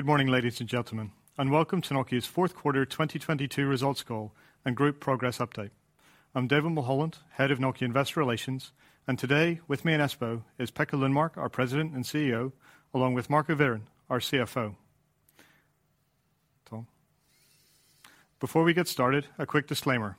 Good morning, ladies and gentlemen, welcome to Nokia's Fourth Quarter 2022 Results Call and Group Progress Update. I'm David Mulholland, Head of Nokia Investor Relations, and today with me in Espoo is Pekka Lundmark, our President and CEO, along with Marco Wirén, our CFO. Before we get started, a quick disclaimer.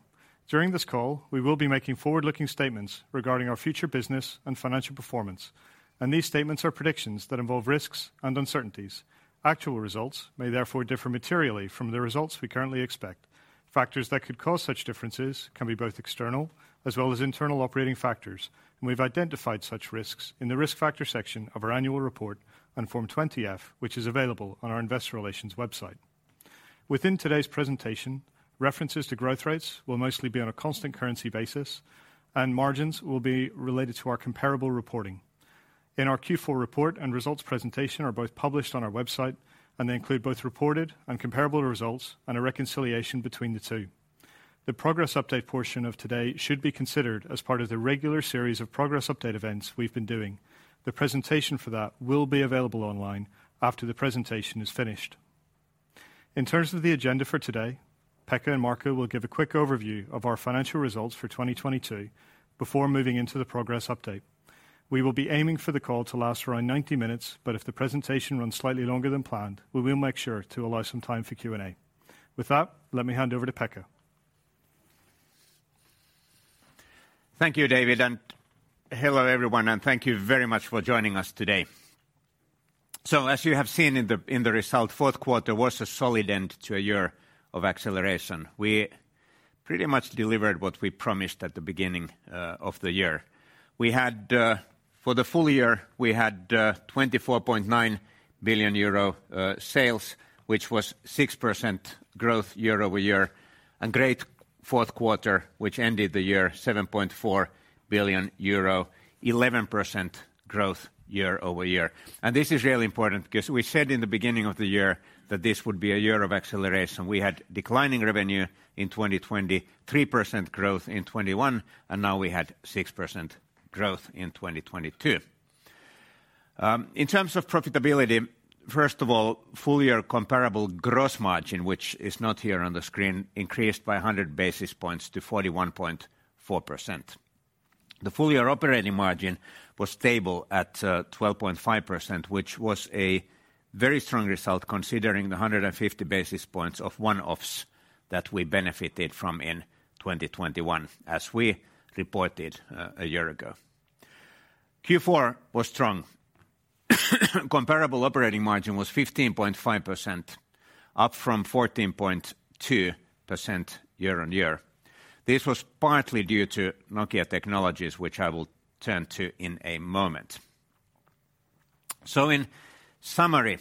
During this call, we will be making forward-looking statements regarding our future business and financial performance, and these statements are predictions that involve risks and uncertainties. Actual results may therefore differ materially from the results we currently expect. Factors that could cause such differences can be both external, as well as internal operating factors, and we've identified such risks in the Risk Factor section of our annual report on Form 20-F, which is available on our investor relations website. Within today's presentation, references to growth rates will mostly be on a constant currency basis and margins will be related to our comparable reporting. In our Q4 report and results presentation are both published on our website, they include both reported and comparable results and a reconciliation between the two. The progress update portion of today should be considered as part of the regular series of progress update events we've been doing. The presentation for that will be available online after the presentation is finished. In terms of the agenda for today, Pekka and Marco will give a quick overview of our financial results for 2022 before moving into the progress update. We will be aiming for the call to last around 90 minutes, if the presentation runs slightly longer than planned, we will make sure to allow some time for Q&A. With that, let me hand over to Pekka. Thank you, David. Hello everyone and thank you very much for joining us today. As you have seen in the result, fourth quarter was a solid end to a year of acceleration. We pretty much delivered what we promised at the beginning of the year. We had for the full year, we had 24.9 billion euro sales, which was 6% growth year-over-year. A great fourth quarter, which ended the year 7.4 billion euro, 11% growth year-over-year. This is really important because we said in the beginning of the year that this would be a year of acceleration. We had declining revenue in 2020, 3% growth in 2021, now we had 6% growth in 2022. In terms of profitability, first of all, full year comparable gross margin, which is not here on the screen, increased by 100 basis points to 41.4%. The full year operating margin was stable at 12.5%, which was a very strong result considering the 150 basis points of one-offs that we benefited from in 2021, as we reported a year ago. Q4 was strong. Comparable operating margin was 15.5%, up from 14.2% year-on-year. This was partly due to Nokia Technologies, which I will turn to in a moment. In summary,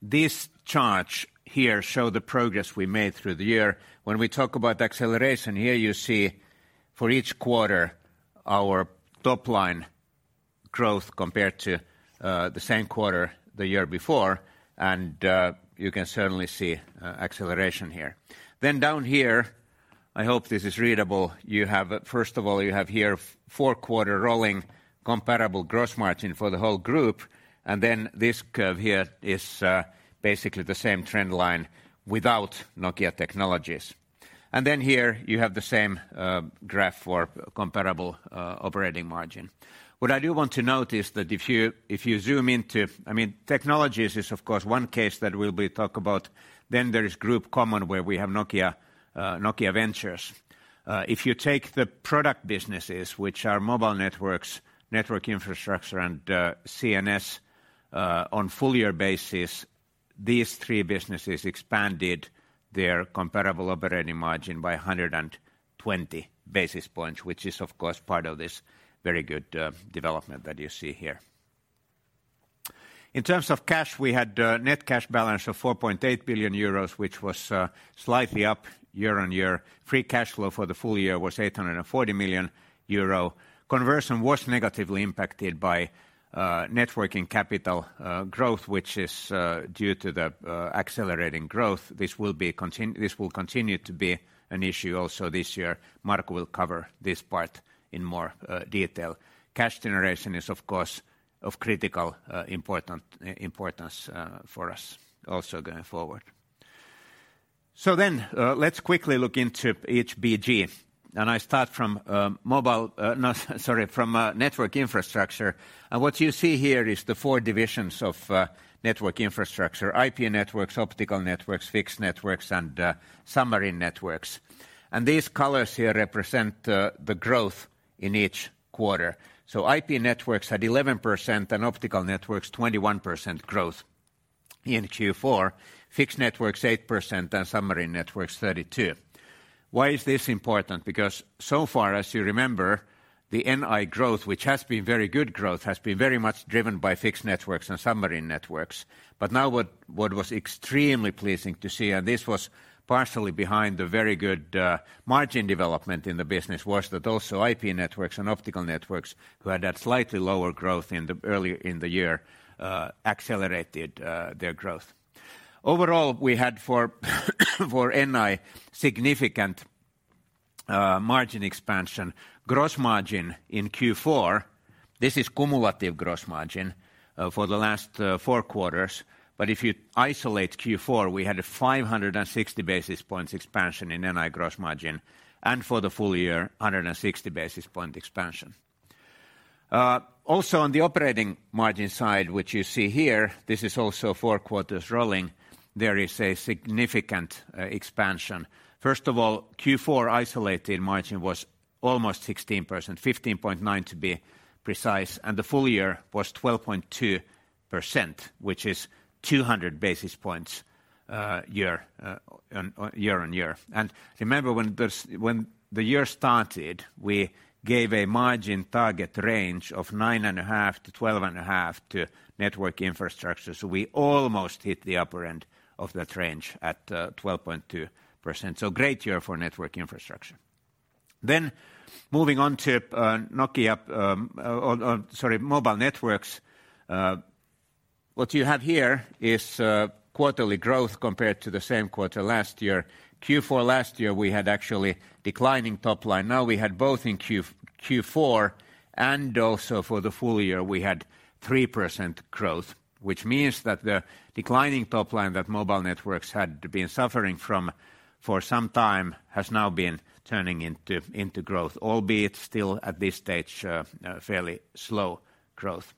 this chart here show the progress we made through the year. When we talk about acceleration, here you see for each quarter our top line growth compared to the same quarter the year before, you can certainly see acceleration here. Down here, I hope this is readable. You have, first of all, you have here four-quarter rolling comparable gross margin for the whole group, this curve here is basically the same trend line without Nokia Technologies. Here you have the same graph for comparable operating margin. What I do want to note is that if you zoom into-- I mean, Technologies is of course one case that we'll be talk about. There is Group Common, where we have Nokia Ventures. If you take the product businesses, which are mobile networks, network infrastructure, and CNS, on full year basis, these three businesses expanded their comparable operating margin by 120 basis points, which is of course part of this very good development that you see here. In terms of cash, we had a net cash balance of 4.8 billion euros, which was slightly up year-over-year. Free cash flow for the full year was 840 million euro. Conversion was negatively impacted by networking capital growth, which is due to the accelerating growth. This will continue to be an issue also this year. Marco will cover this part in more detail. Cash generation is of course of critical importance for us also going forward. Let's quickly look into each BG. I start from Network Infrastructure. What you see here is the four divisions of Network Infrastructure: IP Networks, Optical Networks, Fixed Networks, and Submarine Networks. These colors here represent the growth in each quarter. IP Networks at 11% and Optical Networks 21% growth in Q4, Fixed Networks 8%, and Submarine Networks 32%. Why is this important? Because so far as you remember, the NI growth, which has been very good growth, has been very much driven by Fixed Networks and Submarine Networks. Now what was extremely pleasing to see, and this was partially behind the very good margin development in the business, was that also IP Networks and Optical Networks who had that slightly lower growth in the early in the year, accelerated their growth. Overall, we had for NI significant margin expansion. Gross margin in Q4, this is cumulative gross margin, for the last four quarters. If you isolate Q4, we had a 560 basis points expansion in NI gross margin, and for the full year, 160 basis point expansion. Also on the operating margin side, which you see here, this is also four quarters rolling, there is a significant expansion. First of all, Q4 isolated margin was almost 16%, 15.9% to be precise, and the full year was 12.2%, which is 200 basis points year-on-year. Remember when the year started, we gave a margin target range of 9.5%-12.5% to Network Infrastructure. We almost hit the upper end of that range at 12.2%. Great year for Network Infrastructure. Moving on to Nokia. Sorry, Mobile Networks. What you have here is quarterly growth compared to the same quarter last year. Q4 last year, we had actually declining top line. Now we had both in Q4 and also for the full year, we had 3% growth, which means that the declining top line that Mobile Networks had been suffering from for some time has now been turning into growth, albeit still at this stage, fairly slow growth.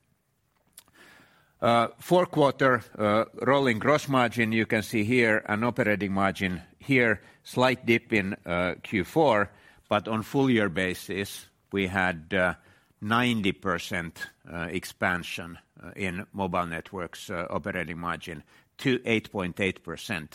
Four-quarter rolling gross margin, you can see here an operating margin here, slight dip in Q4, but on full year basis, we had 90% expansion in Mobile Networks operating margin to 8.8%.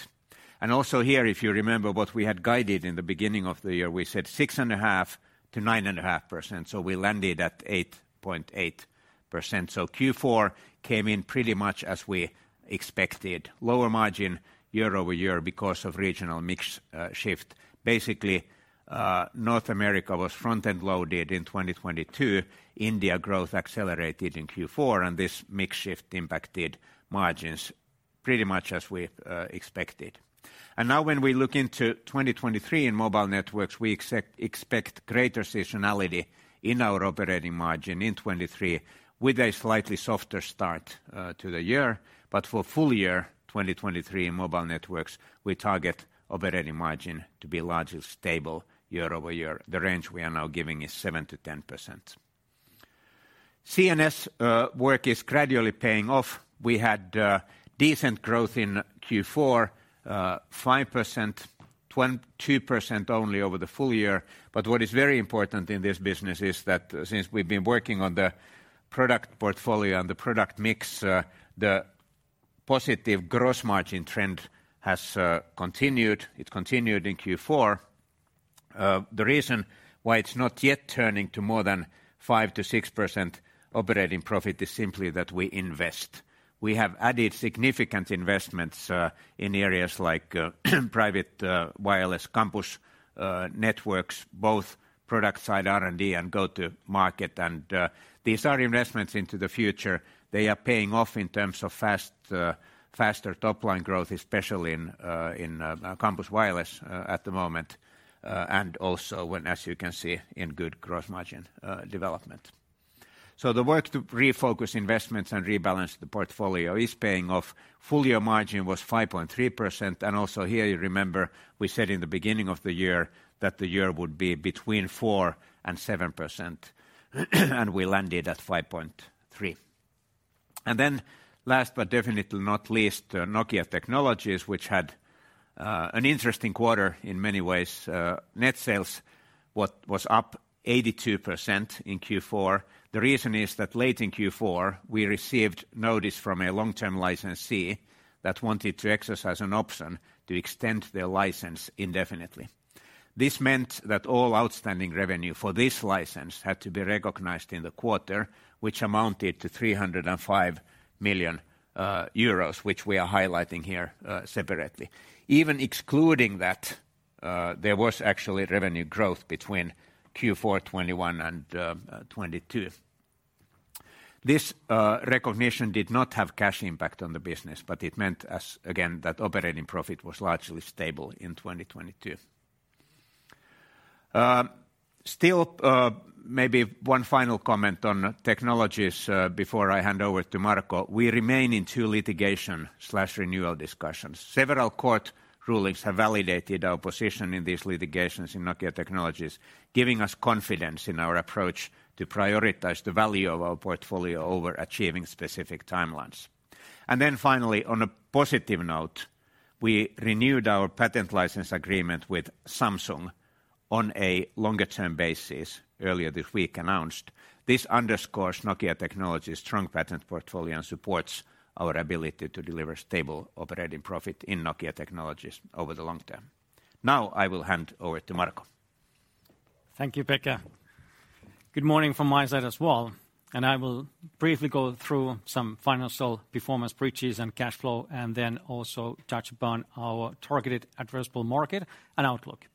Also here, if you remember what we had guided in the beginning of the year, we said 6.5%-9.5%. We landed at 8.8%. Q4 came in pretty much as we expected. Lower margin year-over-year because of regional mix shift. Basically, North America was front-end loaded in 2022. India growth accelerated in Q4, and this mix shift impacted margins pretty much as we expected. Now when we look into 2023 in mobile networks, we expect greater seasonality in our operating margin in 2023 with a slightly softer start to the year. For full year 2023 in mobile networks, we target operating margin to be largely stable year-over-year. The range we are now giving is 7%-10%. CNS work is gradually paying off. We had decent growth in Q4, 5%, 2% only over the full year. What is very important in this business is that since we've been working on the product portfolio and the product mix, the positive gross margin trend has continued. It continued in Q4. The reason why it's not yet turning to more than 5%-6% operating profit is simply that we invest. We have added significant investments in areas like private wireless campus networks, both product side R&D and go-to-market. These are investments into the future. They are paying off in terms of fast, faster top-line growth, especially in campus wireless at the moment, and also when, as you can see, in good gross margin development. The work to refocus investments and rebalance the portfolio is paying off. Full year margin was 5.3%. Also here, you remember, we said in the beginning of the year that the year would be between 4% and 7%, and we landed at 5.3%. Last but definitely not least, Nokia Technologies, which had an interesting quarter in many ways. Net sales was up 82% in Q4. The reason is that late in Q4, we received notice from a long-term licensee that wanted to exercise an option to extend their license indefinitely. This meant that all outstanding revenue for this license had to be recognized in the quarter, which amounted to 305 million euros, which we are highlighting here separately. Even excluding that, there was actually revenue growth between Q4 2021 and 2022. This recognition did not have cash impact on the business, but it meant as, again, that operating profit was largely stable in 2022. Still, maybe one final comment on Technologies, before I hand over to Marco. We remain in two litigation/renewal discussions. Several court rulings have validated our position in these litigations in Nokia Technologies, giving us confidence in our approach to prioritize the value of our portfolio over achieving specific timelines. Finally, on a positive note, we renewed our patent license agreement with Samsung on a longer term basis earlier this week announced. This underscores Nokia Technologies' strong patent portfolio and supports our ability to deliver stable operating profit in Nokia Technologies over the long term. I will hand over to Marco. Thank you, Pekka. Good morning from my side as well. I will briefly go through some financial performance breaches and cash flow, and then also touch upon our targeted addressable market and outlook.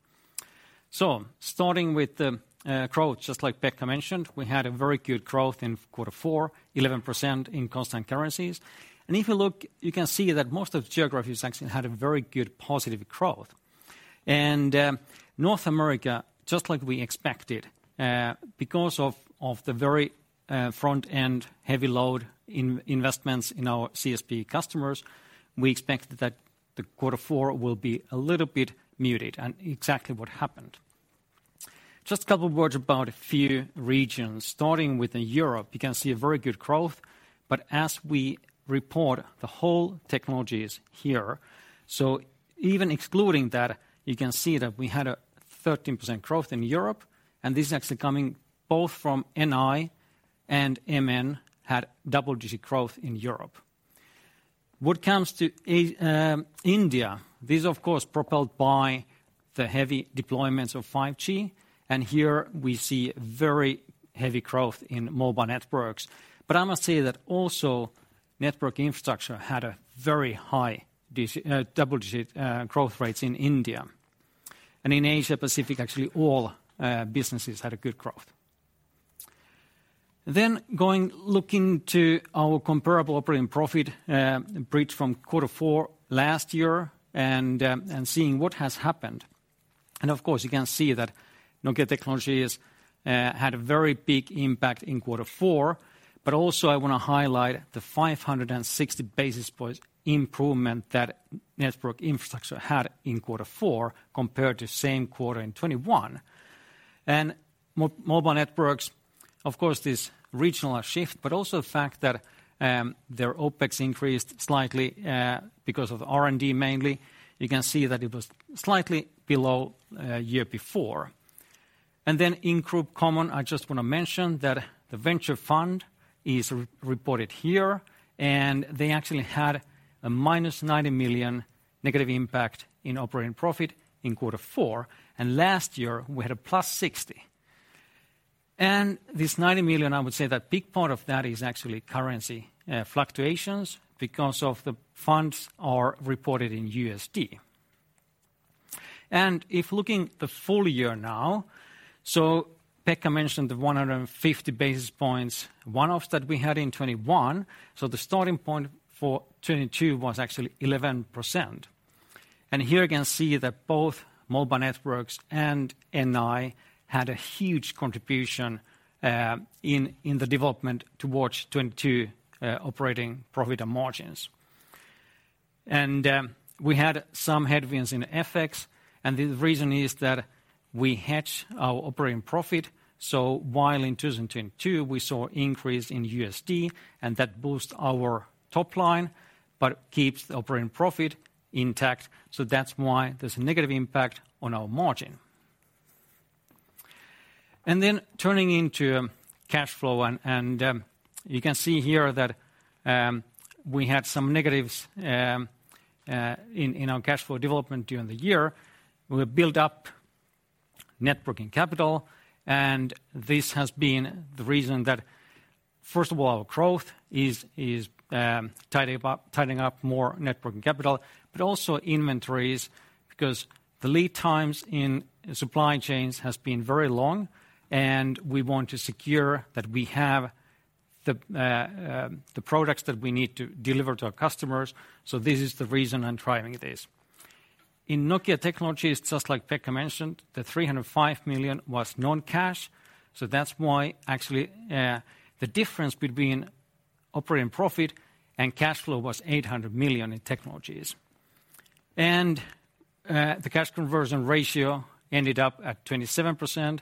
Starting with the growth, just like Pekka mentioned, we had a very good growth in quarter four, 11% in constant currencies. If you look, you can see that most of the geographies actually had a very good positive growth. North America, just like we expected, because of the very front-end heavy load investments in our CSP customers, we expect that the quarter four will be a little bit muted and exactly what happened. Just a couple words about a few regions. Starting with Europe, you can see a very good growth, but as we report, the whole technology is here. Even excluding that, you can see that we had a 13% growth in Europe. This is actually coming both from NI and MN had double-digit growth in Europe. What comes to India, this, of course, propelled by the heavy deployments of 5G. Here we see very heavy growth in Mobile Networks. I must say that also Network Infrastructure had a very high double-digit growth rates in India. In Asia Pacific, actually, all businesses had a good growth. Going looking to our comparable operating profit bridge from quarter four last year, seeing what has happened. Of course, you can see that Nokia Technologies had a very big impact in quarter four. I want to highlight the 560 basis points improvement that Network Infrastructure had in quarter four compared to same quarter in 2021. Mobile Networks, of course, this regional shift, but also the fact that their OpEx increased slightly because of R&D mainly. You can see that it was slightly below year before. In Group Common, I just want to mention that the venture fund is re-reported here, and they actually had a minus $90 million negative impact in operating profit in quarter four. Last year, we had a $60 million+. This $90 million, I would say that big part of that is actually currency fluctuations because of the funds are reported in USD. If looking the full year now, Pekka mentioned the 150 basis points, one-offs that we had in 2021. The starting point for 2022 was actually 11%. Here you can see that both Mobile Networks and NI had a huge contribution in the development towards 2022 operating profit and margins. We had some headwinds in FX, and the reason is that we hedge our operating profit. While in 2022, we saw increase in USD, and that boosts our top line, but keeps the operating profit intact. That's why there's a negative impact on our margin. Turning into cash flow, you can see here that we had some negatives in our cash flow development during the year. We built up networking capital. This has been the reason that, first of all, our growth is tidying up more networking capital, but also inventories, because the lead times in supply chains has been very long, and we want to secure that we have the products that we need to deliver to our customers. This is the reason I'm driving this. In Nokia Technologies, just like Pekka mentioned, the 305 million was non-cash. That's why actually, the difference between operating profit and cash flow was 800 million in technologies. The cash conversion ratio ended up at 27%.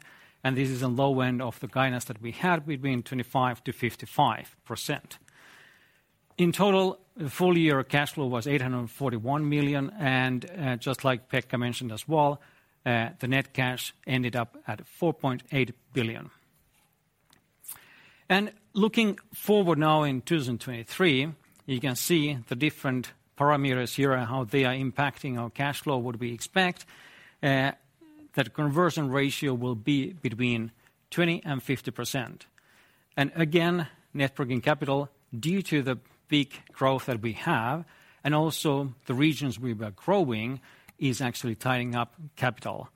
This is a low end of the guidance that we had between 25%-55%. flow was 841 million, and, just like Pekka mentioned as well, the net cash ended up at 4.8 billion. Looking forward now in 2023, you can see the different parameters here and how they are impacting our cash flow, what we expect. That conversion ratio will be between 20%-50%. Again, networking capital, due to the big growth that we have, and also the regions we were growing, is actually tying up capital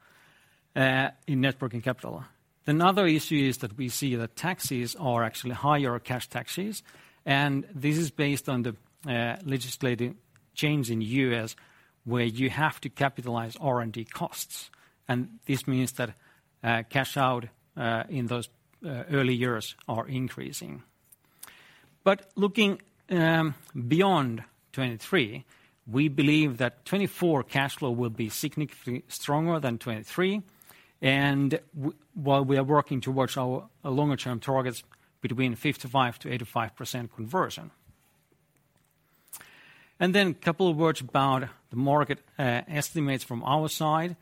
in networking capital. Another issue is that we see that taxes are actually higher cash taxes, and this is based on the legislative change in U.S., where you have to capitalize R&D costs. This means that cash out in those early years are increasing Looking beyond 2023, we believe that 2024 cash flow will be significantly stronger than 2023. While we are working towards our longer term targets between 55%-85% conversion. Couple of words about the market estimates from our side.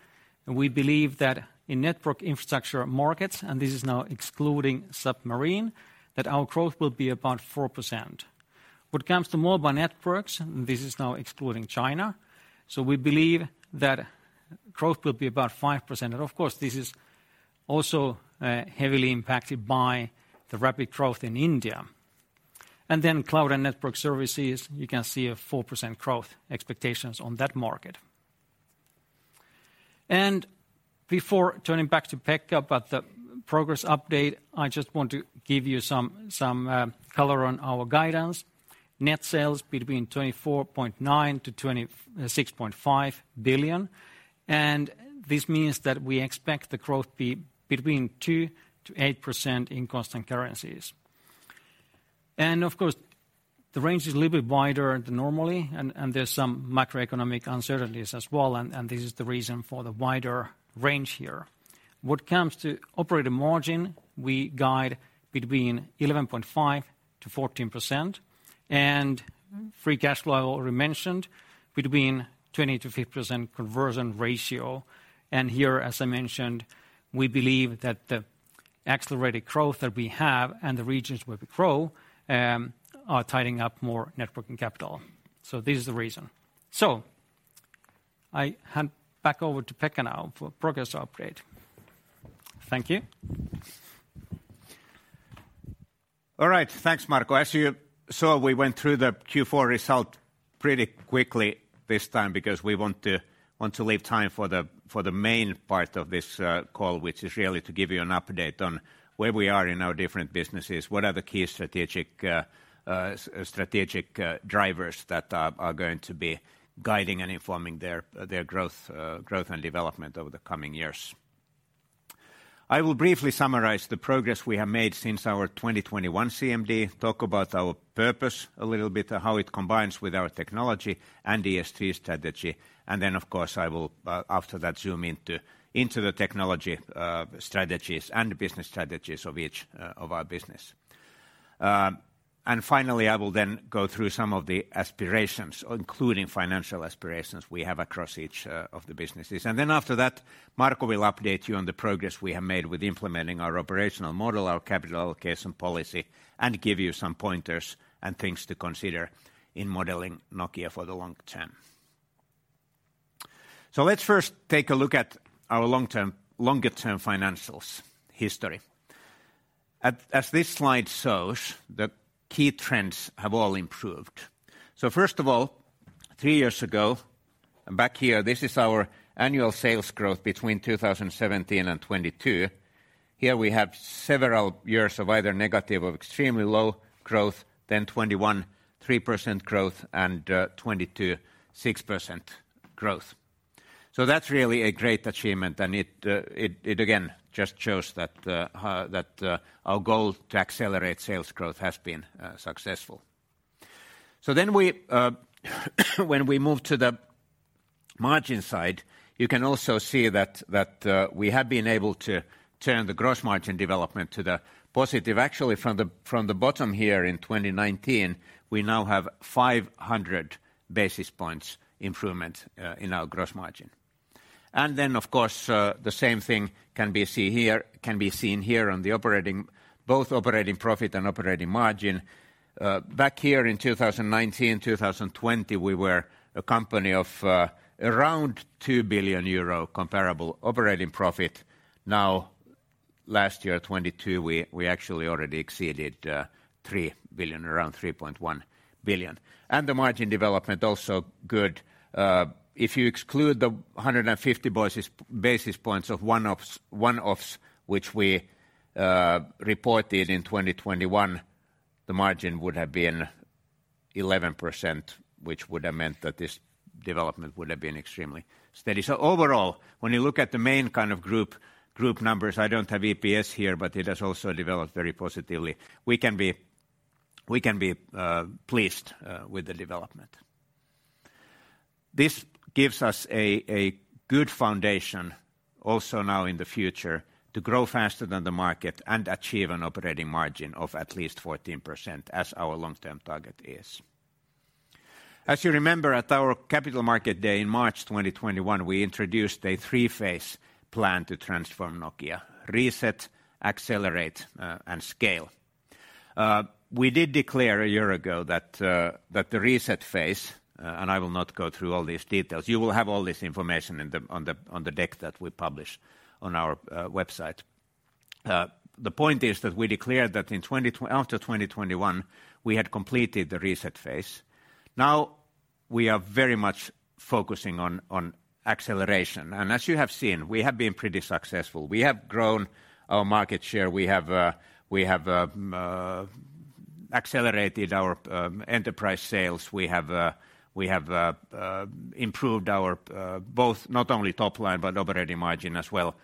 We believe that in Network Infrastructure markets, and this is now excluding submarine, that our growth will be about 4%. What comes to Mobile Networks, this is now excluding China. We believe that growth will be about 5%. Of course, this is also heavily impacted by the rapid growth in India. Cloud and Network Services, you can see a 4% growth expectations on that market. Before turning back to Pekka about the progress update, I just want to give you some color on our guidance. Net sales between 24.9 billion-26.5 billion. This means that we expect the growth be between 2%-8% in constant currencies. Of course, the range is a little bit wider than normally, and there's some macroeconomic uncertainties as well. This is the reason for the wider range here. What comes to operating margin, we guide between 11.5%-14%. Free cash flow I already mentioned, between 20%-50% conversion ratio. Here, as I mentioned, we believe that the accelerated growth that we have and the regions where we grow, are tidying up more net working capital. This is the reason. I hand back over to Pekka now for progress update. Thank you. All right. Thanks, Marco. As you saw, we went through the Q4 result pretty quickly this time because we want to leave time for the main part of this call, which is really to give you an update on where we are in our different businesses, what are the key strategic drivers that are going to be guiding and informing their growth and development over the coming years. I will briefly summarize the progress we have made since our 2021 CMD, talk about our purpose a little bit, how it combines with our technology and ESG strategy. Of course, I will after that zoom into the technology strategies and business strategies of each of our business. Finally, I will then go through some of the aspirations, including financial aspirations we have across each of the businesses. After that, Marco will update you on the progress we have made with implementing our operational model, our capital allocation policy, and give you some pointers and things to consider in modeling Nokia for the long term. Let's first take a look at our long-term, longer-term financials history. As this slide shows, the key trends have all improved. First of all, three years ago, and back here, this is our annual sales growth between 2017 and 2022. Here we have several years of either negative or extremely low growth, then 2021, 3% growth, and 2022, 6% growth. That's really a great achievement, and it again just shows that our goal to accelerate sales growth has been successful. When we move to the margin side, you can also see that, we have been able to turn the gross margin development to the positive. Actually, from the bottom here in 2019, we now have 500 basis points improvement in our gross margin. Of course, the same thing can be seen here on the operating, both operating profit and operating margin. Back here in 2019, 2020, we were a company of around 2 billion euro comparable operating profit. Now, last year, 2022, we actually already exceeded 3 billion, around 3.1 billion. The margin development also good. If you exclude the 150 basis points of one-offs which we reported in 2021, the margin would have been 11%, which would have meant that this development would have been extremely steady. Overall, when you look at the main kind of group numbers, I don't have EPS here, but it has also developed very positively. We can be pleased with the development. This gives us a good foundation also now in the future to grow faster than the market and achieve an operating margin of at least 14% as our long-term target is. As you remember, at our Capital Markets Day in March 2021, we introduced a three-phase plan to transform Nokia: reset, accelerate, and scale. We did declare a year ago that the reset phase, and I will not go through all these details. You will have all this information in the, on the, on the deck that we publish on our website. The point is that we declared that after 2021, we had completed the reset phase. Now we are very much focusing on acceleration. As you have seen, we have been pretty successful. We have grown our market share. We have, we have accelerated our enterprise sales. We have, we have improved our both not only top line, but operating margin as well.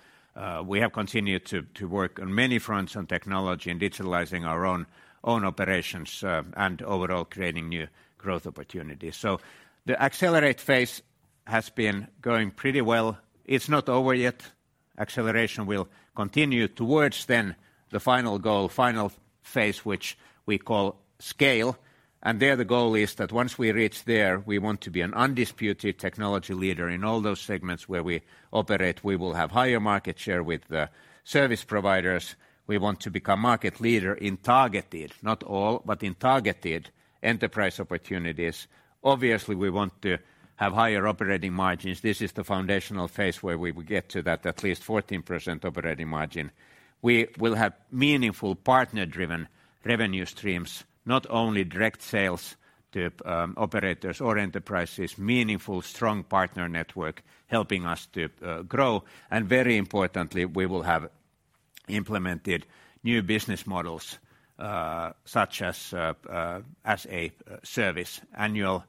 We have continued to work on many fronts on technology and digitalizing our own operations, and overall creating new growth opportunities. The accelerate phase has been going pretty well. It's not over yet. Acceleration will continue towards then the final goal, final phase, which we call scale. There the goal is that once we reach there, we want to be an undisputed technology leader in all those segments where we operate. We will have higher market share with the service providers. We want to become market leader in targeted, not all, but in targeted enterprise opportunities. Obviously, we want to have higher operating margins. This is the foundational phase where we will get to that at least 14% operating margin. We will have meaningful partner-driven revenue streams, not only direct sales to operators or enterprises, meaningful, strong partner network helping us to grow. Very importantly, we will have implemented new business models, such as as a service annual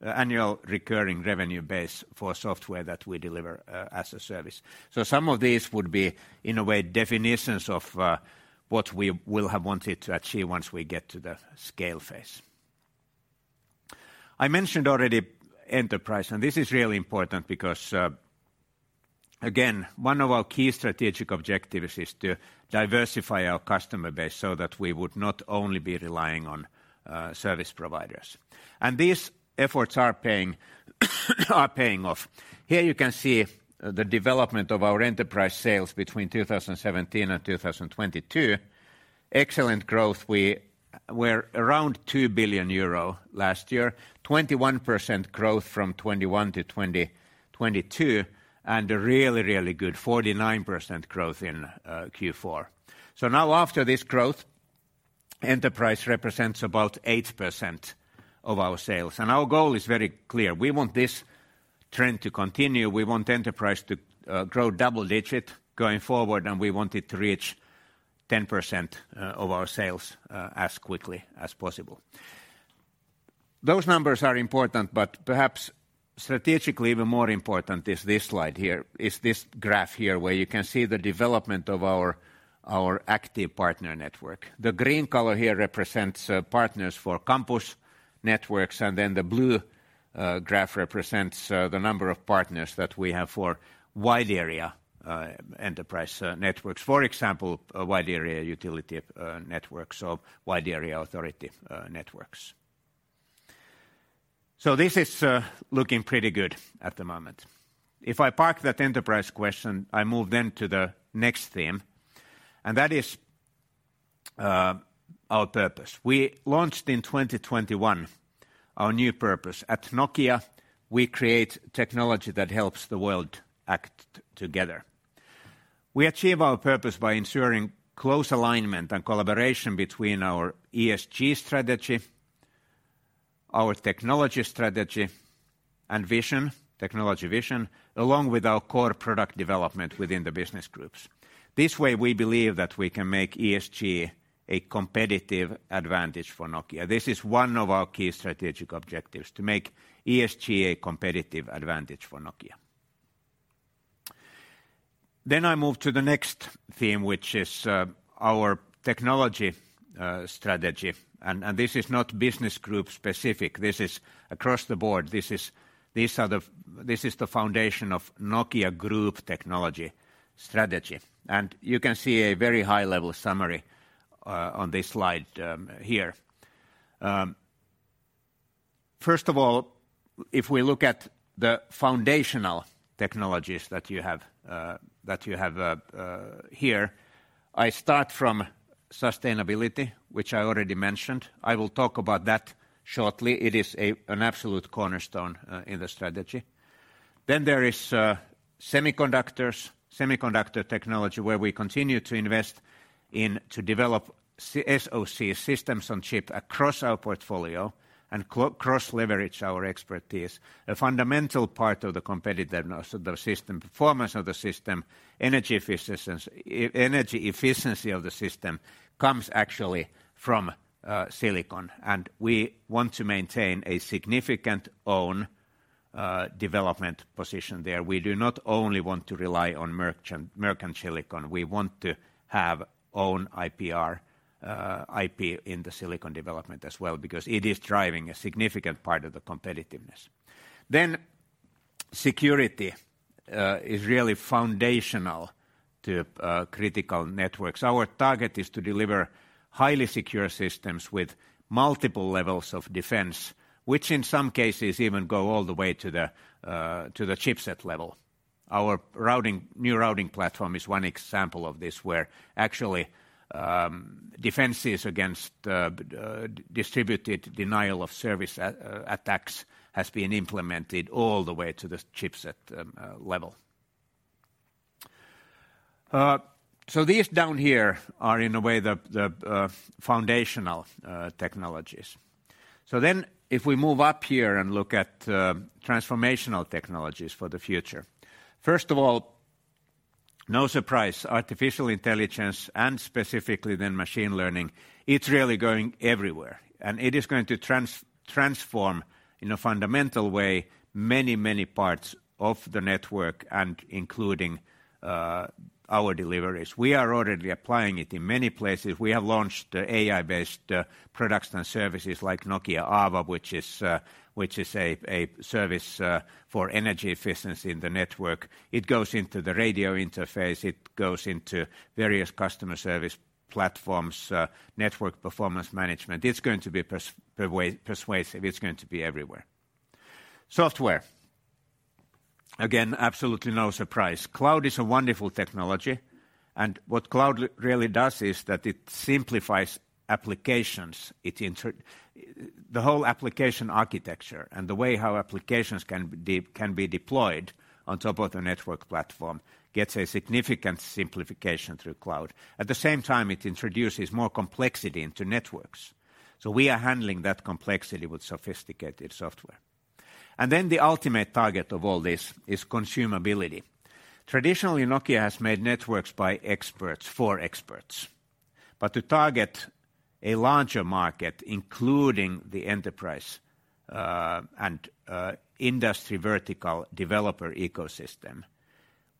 recurring revenue base for software that we deliver as a service. Some of these would be, in a way, definitions of what we will have wanted to achieve once we get to the scale phase. I mentioned already enterprise, this is really important because, again, one of our key strategic objectives is to diversify our customer base so that we would not only be relying on service providers. These efforts are paying off. Here you can see the development of our enterprise sales between 2017 and 2022. Excellent growth. We were around 2 billion euro last year. 21% growth from 2021 to 2022, a really good 49% growth in Q4. Now after this growth, enterprise represents about 8% of our sales. Our goal is very clear. We want this trend to continue. We want enterprise to grow double-digit going forward, and we want it to reach 10% of our sales as quickly as possible. Those numbers are important, perhaps strategically even more important is this graph here where you can see the development of our active partner network. The green color here represents partners for campus networks, the blue graph represents the number of partners that we have for wide area enterprise networks. For example, a wide area utility networks or wide area authority networks. This is looking pretty good at the moment. If I park that enterprise question, I move then to the next theme, and that is our purpose. We launched in 2021 our new purpose. At Nokia, we create technology that helps the world act together. We achieve our purpose by ensuring close alignment and collaboration between our ESG strategy, our technology strategy and vision, technology vision, along with our core product development within the business groups. This way, we believe that we can make ESG a competitive advantage for Nokia. This is one of our key strategic objectives, to make ESG a competitive advantage for Nokia. I move to the next theme, which is our technology strategy. This is not business group specific. This is across the board. This is the foundation of Nokia Group technology strategy. You can see a very high-level summary on this slide here. First of all, if we look at the foundational technologies that you have here, I start from sustainability, which I already mentioned. I will talk about that shortly. It is an absolute cornerstone in the strategy. There is semiconductors, semiconductor technology, where we continue to invest in to develop SoC, Systems on Chip, across our portfolio and cross leverage our expertise. A fundamental part of the competitiveness of the system, performance of the system, energy efficiency of the system comes actually from silicon. We want to maintain a significant own development position there. We do not only want to rely on merchant silicon, we want to have own IPR, IP in the silicon development as well because it is driving a significant part of the competitiveness. Security is really foundational to critical networks. Our target is to deliver highly secure systems with multiple levels of defense, which in some cases even go all the way to the chipset level. Our routing, new routing platform is one example of this, where actually defenses against distributed denial of service attacks has been implemented all the way to the chipset level. These down here are in a way the foundational technologies. If we move up here and look at transformational technologies for the future. First of all, no surprise, artificial intelligence and specifically then machine learning, it's really going everywhere. It is going to transform, in a fundamental way, many, many parts of the network and including our deliveries. We are already applying it in many places. We have launched AI-based products and services like Nokia AVA, which is which is a service for energy efficiency in the network. It goes into the radio interface. It goes into various customer service platforms, network performance management. It's going to be persuasive. It's going to be everywhere. Software. Again, absolutely no surprise. Cloud is a wonderful technology, and what cloud really does is that it simplifies applications. The whole application architecture and the way how applications can be deployed on top of the network platform gets a significant simplification through cloud. At the same time, it introduces more complexity into networks. We are handling that complexity with sophisticated software. The ultimate target of all this is consumability. Traditionally, Nokia has made networks by experts for experts. To target a larger market, including the enterprise, and industry vertical developer ecosystem,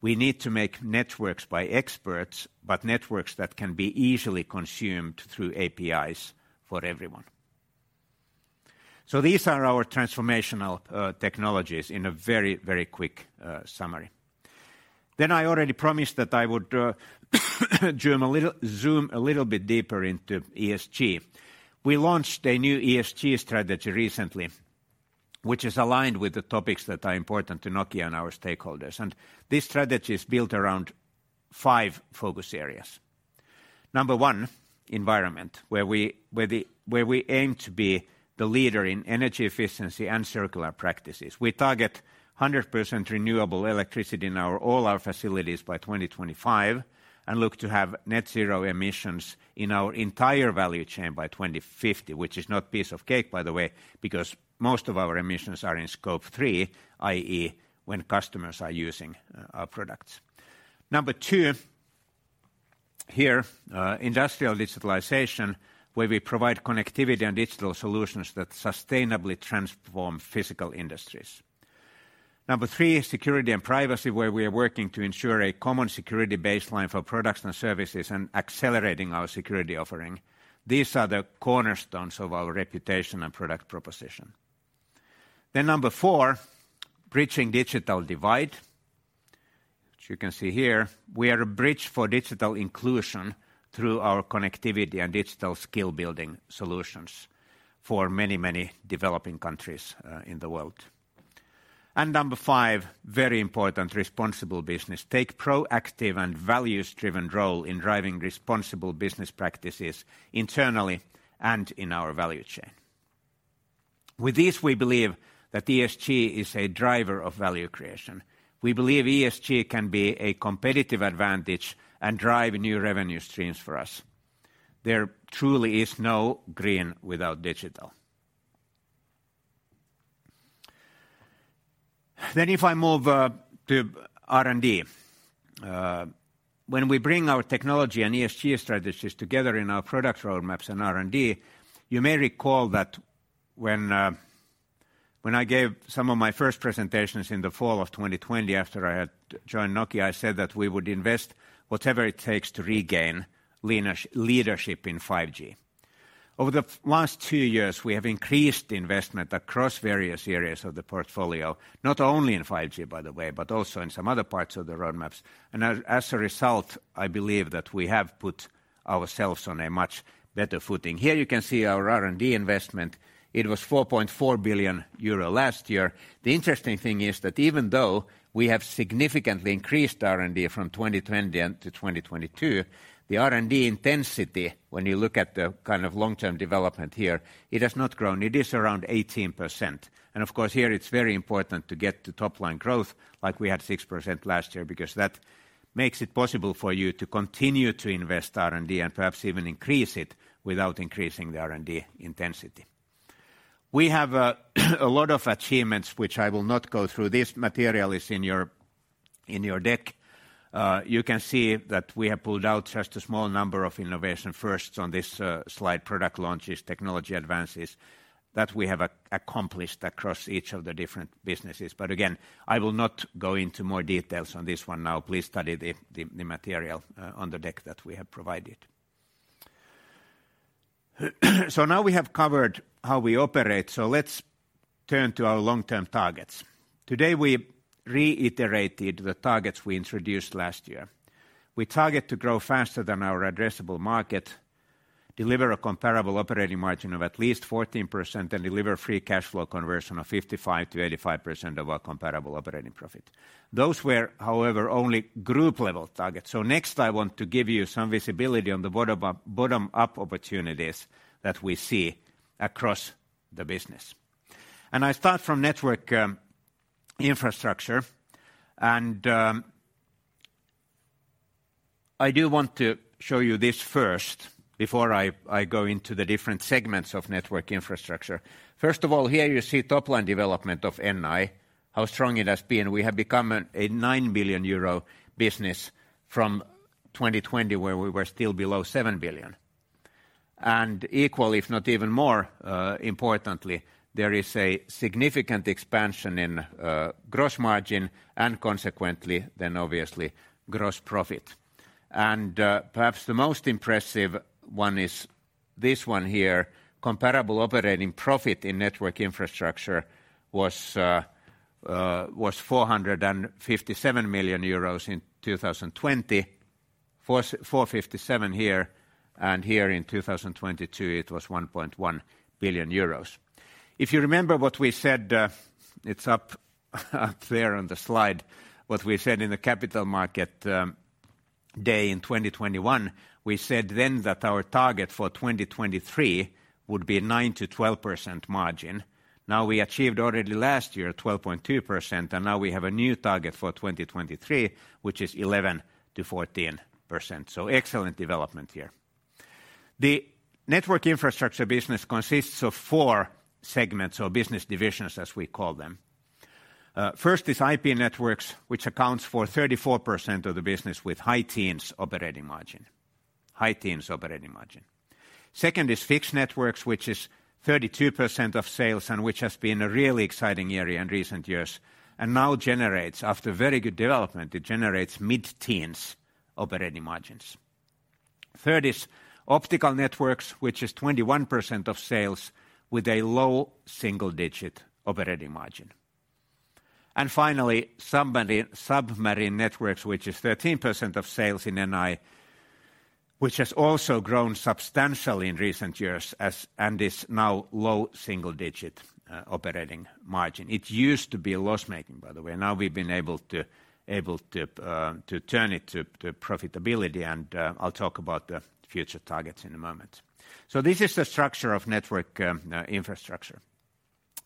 we need to make networks by experts, but networks that can be easily consumed through APIs for everyone. These are our transformational technologies in a very, very quick summary. I already promised that I would zoom a little bit deeper into ESG. We launched a new ESG strategy recently, which is aligned with the topics that are important to Nokia and our stakeholders. This strategy is built around five focus areas. Number one, environment, where we aim to be the leader in energy efficiency and circular practices. We target 100% renewable electricity in all our facilities by 2025. Look to have net zero emissions in our entire value chain by 2050, which is not piece of cake, by the way, because most of our emissions are in Scope 3, i.e., when customers are using our products. Number two, here, industrial digitalization, where we provide connectivity and digital solutions that sustainably transform physical industries. Number three, security and privacy, where we are working to ensure a common security baseline for products and services and accelerating our security offering. These are the cornerstones of our reputation and product proposition. Number four, bridging digital divide, which you can see here. We are a bridge for digital inclusion through our connectivity and digital skill-building solutions for many developing countries in the world. Number 5, very important, responsible business. Take proactive and values-driven role in driving responsible business practices internally and in our value chain. With this, we believe that ESG is a driver of value creation. We believe ESG can be a competitive advantage and drive new revenue streams for us. There truly is no green without digital. If I move to R&D. When we bring our technology and ESG strategies together in our product roadmaps and R&D, you may recall that when I gave some of my first presentations in the fall of 2020 after I had joined Nokia, I said that we would invest whatever it takes to regain leadership in 5G. Over the last two years, we have increased investment across various areas of the portfolio, not only in 5G, by the way, but also in some other parts of the roadmaps. As a result, I believe that we have put ourselves on a much better footing. Here you can see our R&D investment. It was 4.4 billion euro last year. The interesting thing is that even though we have significantly increased R&D from 2020 to 2022, the R&D intensity, when you look at the kind of long-term development here, it has not grown. It is around 18%. Of course, here it's very important to get to top-line growth like we had 6% last year, because that makes it possible for you to continue to invest R&D and perhaps even increase it without increasing the R&D intensity. We have a lot of achievements which I will not go through. This material is in your deck. You can see that we have pulled out just a small number of innovation firsts on this slide, product launches, technology advances that we have accomplished across each of the different businesses. Again, I will not go into more details on this one now. Please study the material on the deck that we have provided. Now we have covered how we operate. Let's turn to our long-term targets. Today, we reiterated the targets we introduced last year. We target to grow faster than our addressable market, deliver a comparable operating margin of at least 14%, and deliver free cash flow conversion of 55%-85% of our comparable operating profit. Those were, however, only group-level targets. Next, I want to give you some visibility on the bottom up opportunities that we see across the business. I start from Network Infrastructure. I do want to show you this first before I go into the different segments of Network Infrastructure. First of all, here you see top-line development of NI, how strong it has been. We have become a 9 billion euro business from 2020, where we were still below 7 billion. Equal, if not even more, importantly, there is a significant expansion in gross margin and consequently, then obviously, gross profit. Perhaps the most impressive one is this one here. Comparable operating profit in Network Infrastructure was 457 million euros in 2020. 457 million here in 2022, it was 1.1 billion euros. If you remember what we said, it's up there on the slide, what we said in the Capital Markets Day in 2021, we said that our target for 2023 would be 9%-12% margin. We achieved already last year 12.2%, and now we have a new target for 2023, which is 11%-14%. Excellent development here. The network infrastructure business consists of four segments or business divisions, as we call them. First is IP Networks, which accounts for 34% of the business with high teens operating margin. High teens operating margin. Second is Fixed Networks, which is 32% of sales and which has been a really exciting area in recent years and now generates, after very good development, it generates mid-teens operating margins. Third is Optical Networks, which is 21% of sales with a low single-digit operating margin. Finally, submarine networks, which is 13% of sales in NI, which has also grown substantially in recent years as and is now low single-digit operating margin. It used to be a loss-making, by the way. Now we've been able to turn it to profitability, and I'll talk about the future targets in a moment. This is the structure of network infrastructure.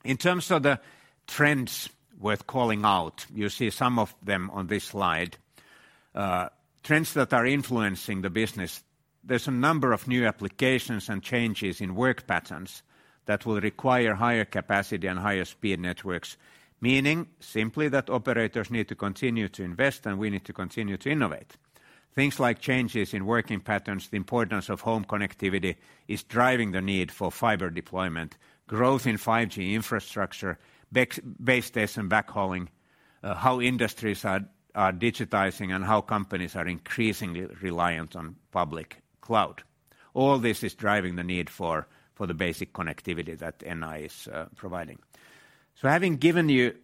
In terms of the trends worth calling out, you see some of them on this slide. Trends that are influencing the business, there's a number of new applications and changes in work patterns that will require higher capacity and higher speed networks, meaning simply that operators need to continue to invest and we need to continue to innovate. Things like changes in working patterns, the importance of home connectivity is driving the need for fiber deployment, growth in 5G infrastructure, base station backhauling, how industries are digitizing, and how companies are increasingly reliant on public cloud. All this is driving the need for the basic connectivity that NI is providing. Having given you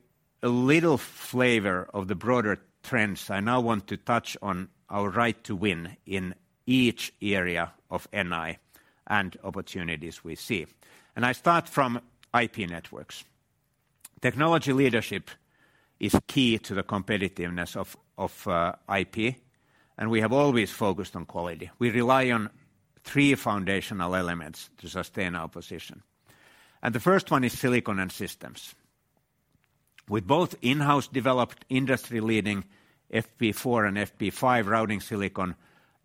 a little flavor of the broader trends, I now want to touch on our right to win in each area of NI and opportunities we see. I start from IP Networks. Technology leadership is key to the competitiveness of IP, and we have always focused on quality. We rely on three foundational elements to sustain our position. The first one is silicon and systems. With both in-house developed industry-leading FP4 and FP5 routing silicon,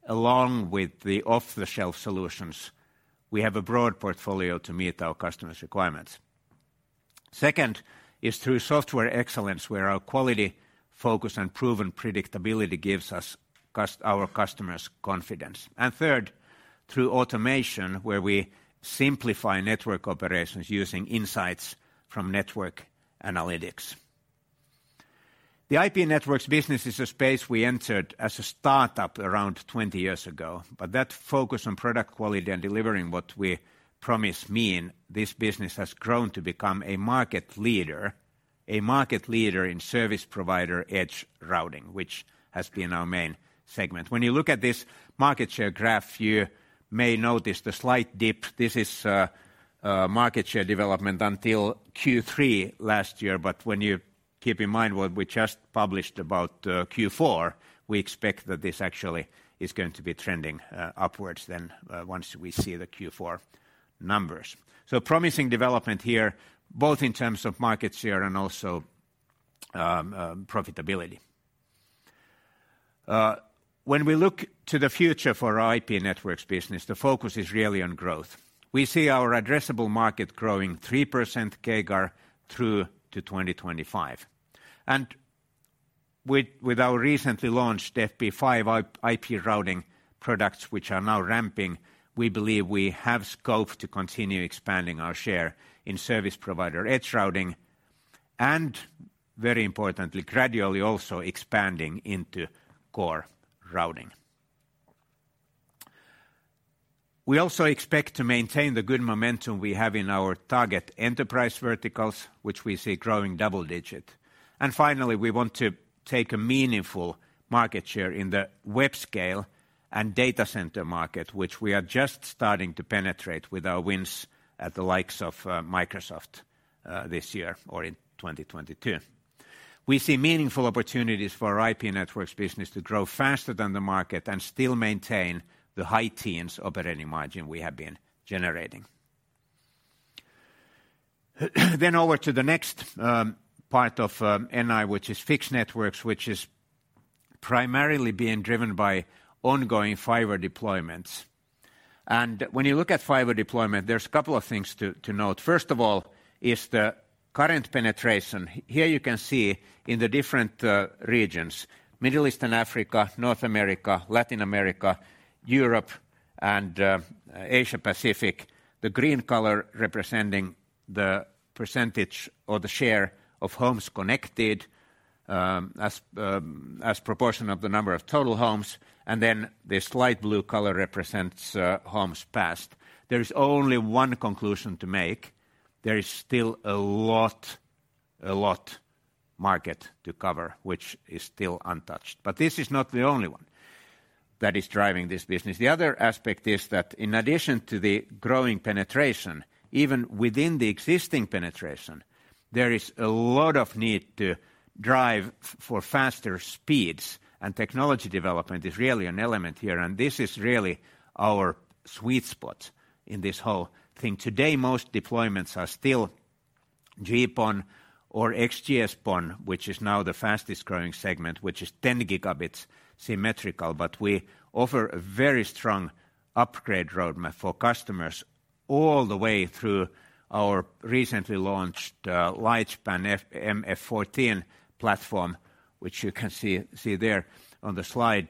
along with the off-the-shelf solutions, we have a broad portfolio to meet our customers' requirements. Second is through software excellence, where our quality, focus, and proven predictability gives our customers confidence. Third, through automation, where we simplify network operations using insights from network analytics. The IP Networks business is a space we entered as a startup around 20 years ago, but that focus on product quality and delivering what we promise mean this business has grown to become a market leader in service provider edge routing, which has been our main segment. When you look at this market share graph, you may notice the slight dip. This is market share development until Q3 last year. When you keep in mind what we just published about Q4, we expect that this actually is going to be trending upwards then once we see the Q4 numbers. Promising development here, both in terms of market share and also profitability. When we look to the future for our IP Networks business, the focus is really on growth. We see our addressable market growing 3% CAGR through to 2025. With our recently launched FP5 IP routing products, which are now ramping, we believe we have scope to continue expanding our share in service provider edge routing and, very importantly, gradually also expanding into core routing. We also expect to maintain the good momentum we have in our target enterprise verticals, which we see growing double-digit. Finally, we want to take a meaningful market share in the web scale and data center market, which we are just starting to penetrate with our wins at the likes of Microsoft this year or in 2022. We see meaningful opportunities for our IP Networks business to grow faster than the market and still maintain the high teens operating margin we have been generating. Over to the next part of NI, which is Fixed Networks, which is primarily being driven by ongoing fiber deployments. When you look at fiber deployment, there's a couple of things to note. First of all is the current penetration. Here you can see in the different regions, Middle East and Africa, North America, Latin America, Europe and Asia Pacific, the green color representing the percentage or the share of homes connected as proportion of the number of total homes, and then the slight blue color represents homes passed. There is only one conclusion to make. There is still a lot market to cover, which is still untouched. This is not the only one that is driving this business. The other aspect is that in addition to the growing penetration, even within the existing penetration, there is a lot of need to drive for faster speeds, and technology development is really an element here, and this is really our sweet spot in this whole thing. Today, most deployments are still GPON or XGS-PON, which is now the fastest-growing segment, which is 10 Gb symmetrical. We offer a very strong upgrade roadmap for customers all the way through our recently launched Lightspan MF-14 platform, which you can see there on the slide,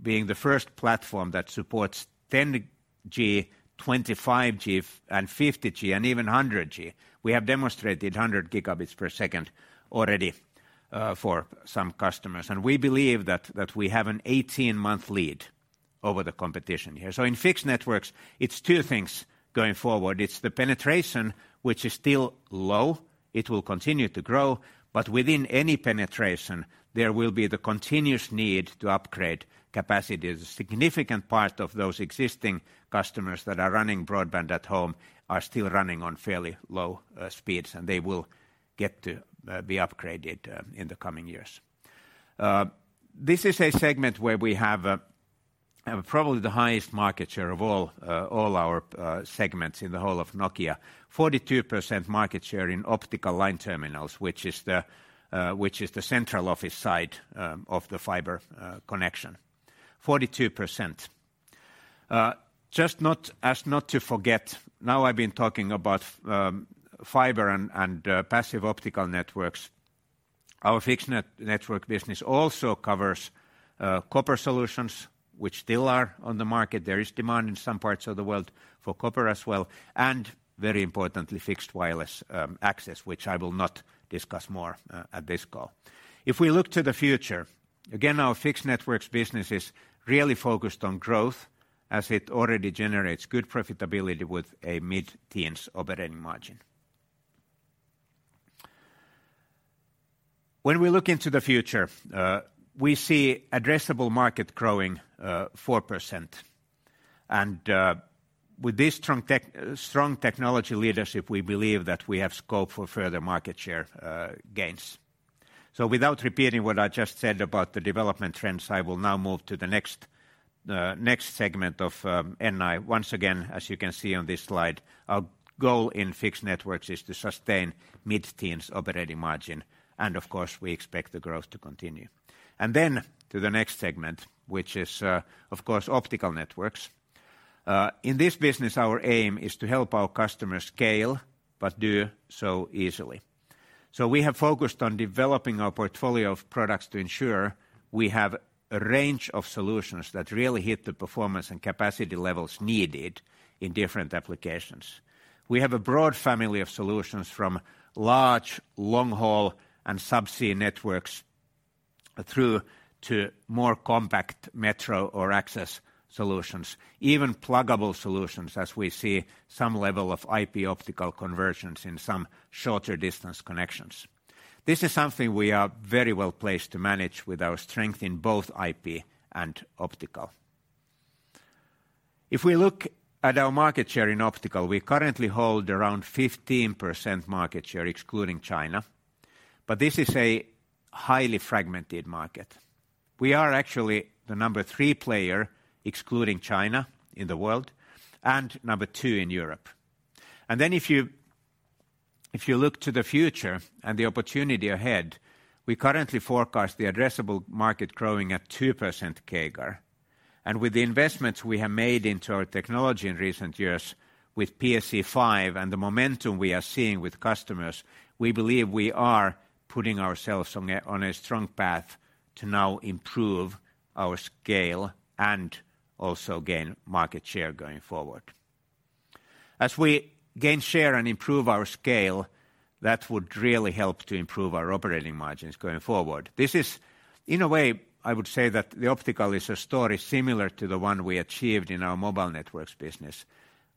being the first platform that supports 10 G, 25 G, 50 G, and even 100 G. We have demonstrated 100 Gb per second already for some customers, and we believe that we have an 18-month lead over the competition here. In Fixed Networks, it's two things going forward. It's the penetration, which is still low. It will continue to grow, but within any penetration, there will be the continuous need to upgrade capacity. The significant part of those existing customers that are running broadband at home are still running on fairly low speeds. They will get to be upgraded in the coming years. This is a segment where we have probably the highest market share of all our segments in the whole of Nokia. 42% market share in optical line terminals, which is the central office side of the fiber connection. 42%. Just not to forget, now I've been talking about fiber and passive optical networks. Our Fixed Networks business also covers copper solutions, which still are on the market. There is demand in some parts of the world for copper as well, and very importantly, Fixed Wireless Access, which I will not discuss more at this call. If we look to the future, again, our Fixed Networks business is really focused on growth as it already generates good profitability with a mid-teens operating margin. When we look into the future, we see addressable market growing 4%. With this strong technology leadership, we believe that we have scope for further market share gains. Without repeating what I just said about the development trends, I will now move to the next segment of NI. Once again, as you can see on this slide, our goal in Fixed Networks is to sustain mid-teens operating margin, and of course, we expect the growth to continue. To the next segment, which is, of course, Optical Networks. In this business, our aim is to help our customers scale, but do so easily. We have focused on developing our portfolio of products to ensure we have a range of solutions that really hit the performance and capacity levels needed in different applications. We have a broad family of solutions from large, long-haul, and subsea networks through to more compact metro or access solutions, even pluggable solutions as we see some level of IP optical convergence in some shorter distance connections. This is something we are very well placed to manage with our strength in both IP and optical. We look at our market share in optical, we currently hold around 15% market share, excluding China, but this is a highly fragmented market. We are actually the number three player, excluding China, in the world, and number two in Europe. If you look to the future and the opportunity ahead, we currently forecast the addressable market growing at 2% CAGR. With the investments we have made into our technology in recent years with PSE-V and the momentum we are seeing with customers, we believe we are putting ourselves on a strong path to now improve our scale and also gain market share going forward. As we gain share and improve our scale, that would really help to improve our operating margins going forward. In a way, I would say that the optical is a story similar to the one we achieved in our Mobile Networks business.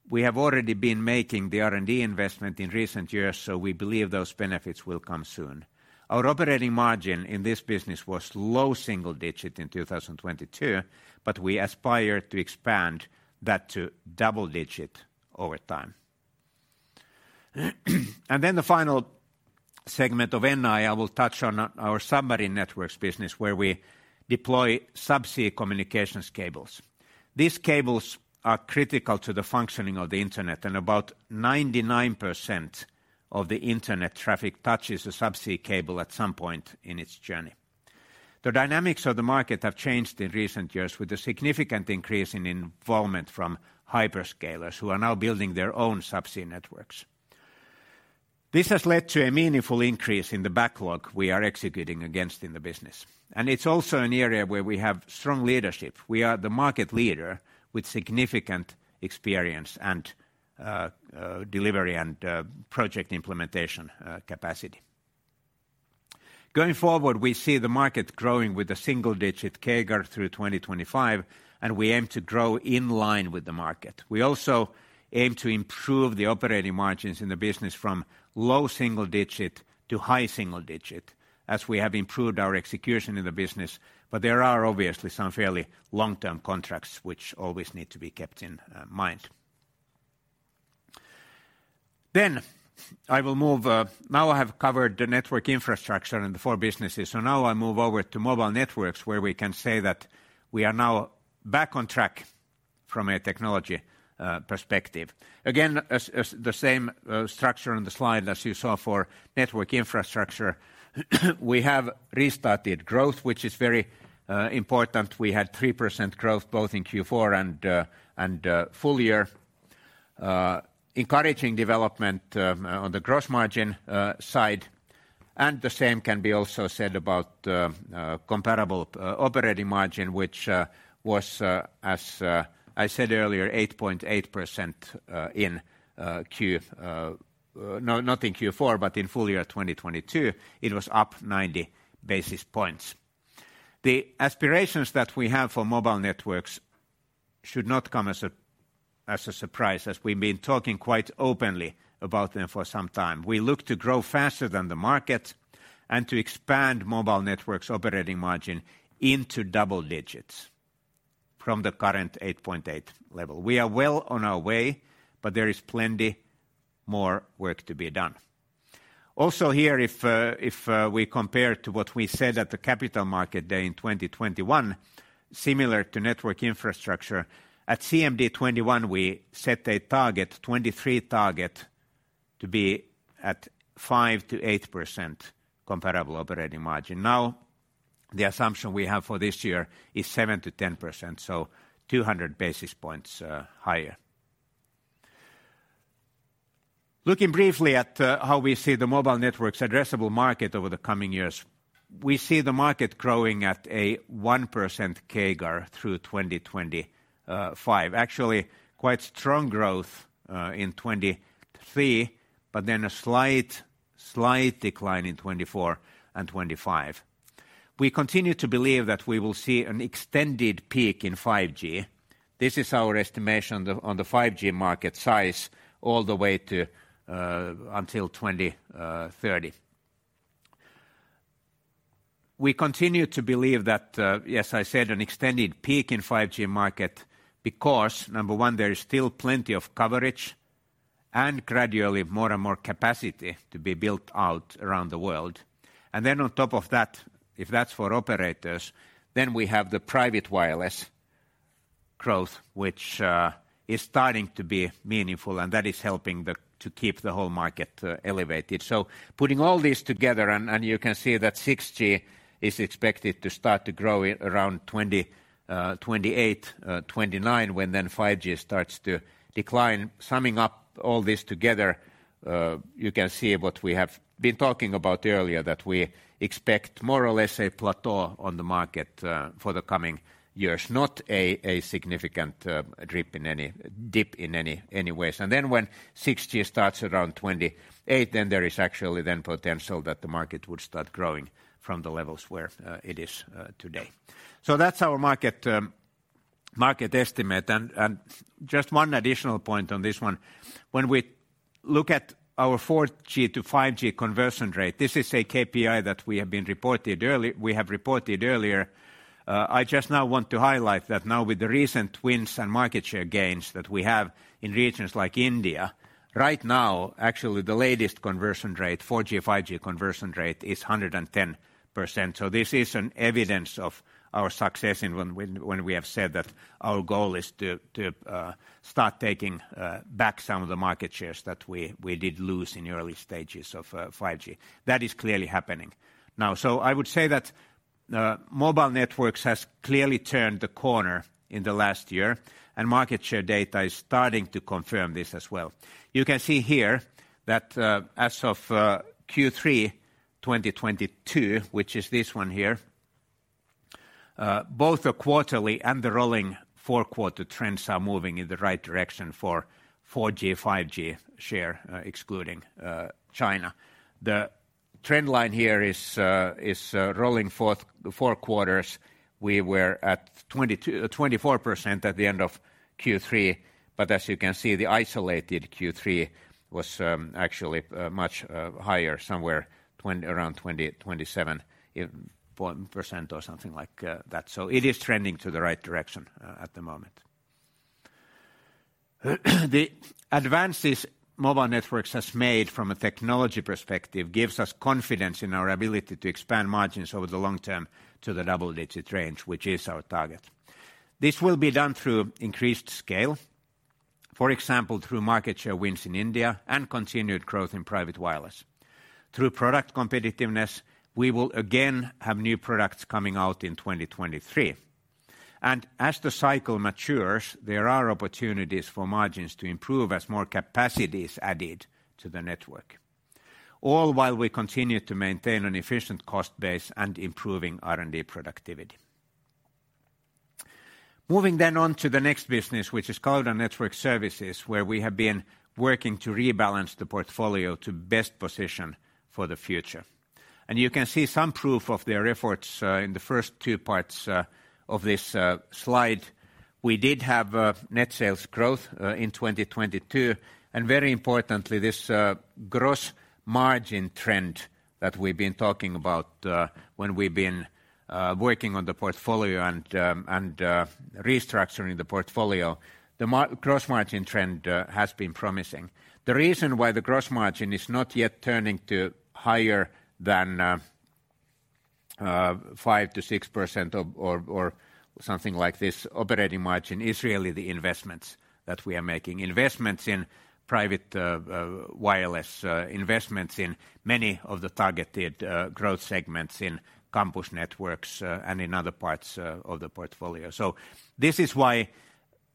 We have already been making the R&D investment in recent years. We believe those benefits will come soon. Our operating margin in this business was low single digit in 2022. We aspire to expand that to double digit over time. The final segment of NI I will touch on, our Submarine Networks business, where we deploy subsea communications cables. These cables are critical to the functioning of the internet. About 99% of the internet traffic touches a subsea cable at some point in its journey. The dynamics of the market have changed in recent years with a significant increase in involvement from hyperscalers who are now building their own subsea networks. This has led to a meaningful increase in the backlog we are executing against in the business. It's also an area where we have strong leadership. We are the market leader with significant experience and delivery and project implementation capacity. Going forward, we see the market growing with a single-digit CAGR through 2025. We aim to grow in line with the market. We also aim to improve the operating margins in the business from low single-digit to high single-digit as we have improved our execution in the business. There are obviously some fairly long-term contracts which always need to be kept in mind. Now I have covered the network infrastructure and the four businesses. Now I move over to Mobile Networks, where we can say that we are now back on track from a technology perspective. Again, as the same structure on the slide as you saw for Network Infrastructure, we have restarted growth, which is very important. We had 3% growth both in Q4 and full year. Encouraging development on the gross margin side, and the same can be also said about comparable operating margin which was as I said earlier, 8.8% not in Q4, but in full year 2022. It was up 90 basis points. The aspirations that we have for Mobile Networks should not come as a surprise, as we've been talking quite openly about them for some time. We look to grow faster than the market and to expand Mobile Networks' operating margin into double digits from the current 8.8% level. We are well on our way, but there is plenty more work to be done. Here, if we compare to what we said at the Capital Markets Day in 2021, similar to Network Infrastructure, at CMD 2021, we set a target, 2023 target to be at 5%-8% comparable operating margin. The assumption we have for this year is 7%-10%, so 200 basis points higher. Looking briefly at how we see the Mobile Networks' addressable market over the coming years. We see the market growing at a 1% CAGR through 2025. Quite strong growth in 2023, a slight decline in 2024 and 2025. We continue to believe that we will see an extended peak in 5G. This is our estimation on the 5G market size all the way to until 2030. We continue to believe that yes, I said an extended peak in 5G market because, number one, there is still plenty of coverage and gradually more and more capacity to be built out around the world. On top of that, if that's for operators, then we have the private wireless growth, which is starting to be meaningful, and that is helping to keep the whole market elevated. Putting all this together and you can see that 6G is expected to start to grow around 2028, 2029, when then 5G starts to decline. Summing up all this together, you can see what we have been talking about earlier, that we expect more or less a plateau on the market, for the coming years, not a significant dip in any ways. When 6G starts around 2028, then there is actually then potential that the market would start growing from the levels where it is today. That's our market estimate. Just one additional point on this one. When we look at our 4G to 5G conversion rate, this is a KPI that we have reported earlier. I just now want to highlight that now with the recent wins and market share gains that we have in regions like India, right now, actually the latest conversion rate, 4G/5G conversion rate is 110%. This is an evidence of our success in when we have said that our goal is to start taking back some of the market shares that we did lose in the early stages of 5G. That is clearly happening now. I would say that Mobile Networks has clearly turned the corner in the last year, and market share data is starting to confirm this as well. You can see here that as of Q3 2022, which is this one here, both the quarterly and the rolling four-quarter trends are moving in the right direction for 4G/5G share, excluding China. The trend line here is rolling four quarters. We were at 24% at the end of Q3. As you can see, the isolated Q3 was actually much higher, somewhere around 27% or something like that. It is trending to the right direction at the moment. The advances mobile networks has made from a technology perspective gives us confidence in our ability to expand margins over the long term to the double-digit range, which is our target. This will be done through increased scale, for example, through market share wins in India and continued growth in private wireless. Through product competitiveness, we will again have new products coming out in 2023. As the cycle matures, there are opportunities for margins to improve as more capacity is added to the network, all while we continue to maintain an efficient cost base and improving R&D productivity. Moving on to the next business, which is called our Network Services, where we have been working to rebalance the portfolio to best position for the future. You can see some proof of their efforts in the first two parts of this slide. We did have net sales growth in 2022, very importantly, this gross margin trend that we've been talking about when we've been working on the portfolio and restructuring the portfolio. The gross margin trend has been promising. The reason why the gross margin is not yet turning to higher than 5%-6% of, or something like this operating margin is really the investments that we are making. Investments in private wireless, investments in many of the targeted growth segments in campus networks, and in other parts of the portfolio. This is why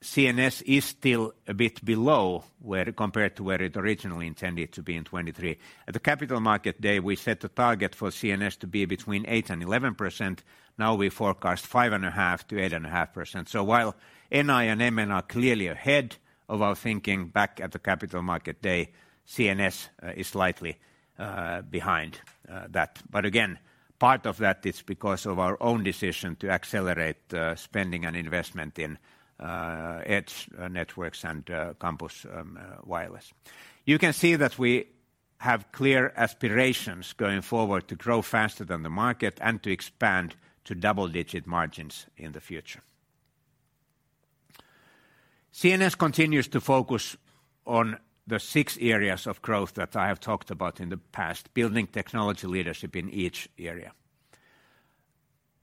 CNS is still a bit below where compared to where it originally intended to be in 2023. At the Capital Markets Day, we set a target for CNS to be between 8% and 11%. Now we forecast 5.5%-8.5%. While NI and MN are clearly ahead of our thinking back at the Capital Markets Day, CNS is slightly behind that. Again, part of that is because of our own decision to accelerate spending and investment in edge networks and campus wireless. You can see that we have clear aspirations going forward to grow faster than the market and to expand to double-digit margins in the future. CNS continues to focus on the six areas of growth that I have talked about in the past, building technology leadership in each area.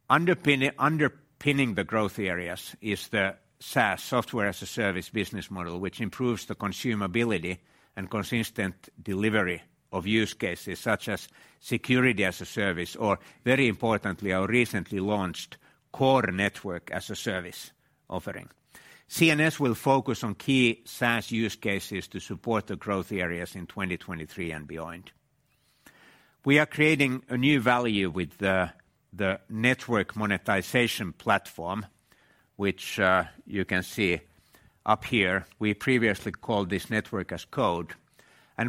Underpinning the growth areas is the SaaS, software as a service, business model, which improves the consumability and consistent delivery of use cases such as security as a service, or very importantly, our recently launched core network as a service offering. CNS will focus on key SaaS use cases to support the growth areas in 2023 and beyond. We are creating a new value with the Network Monetization Platform, which you can see up here. We previously called this Network as Code.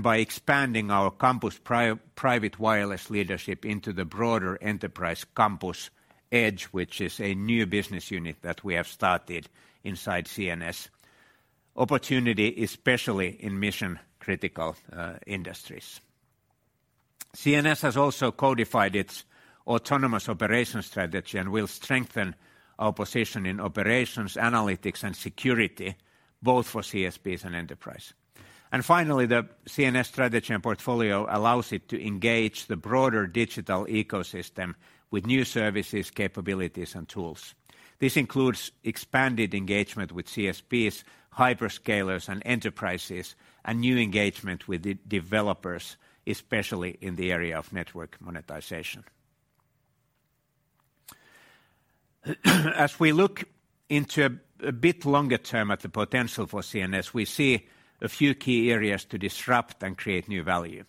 By expanding our campus private wireless leadership into the broader Enterprise Campus Edge, which is a new business unit that we have started inside CNS, opportunity, especially in mission-critical industries. CNS has also codified its autonomous operations strategy and will strengthen our position in operations, analytics, and security, both for CSPs and enterprise. Finally, the CNS strategy and portfolio allows it to engage the broader digital ecosystem with new services, capabilities, and tools. This includes expanded engagement with CSPs, hyperscalers and enterprises, and new engagement with developers, especially in the area of network monetization. As we look into a bit longer term at the potential for CNS, we see a few key areas to disrupt and create new value.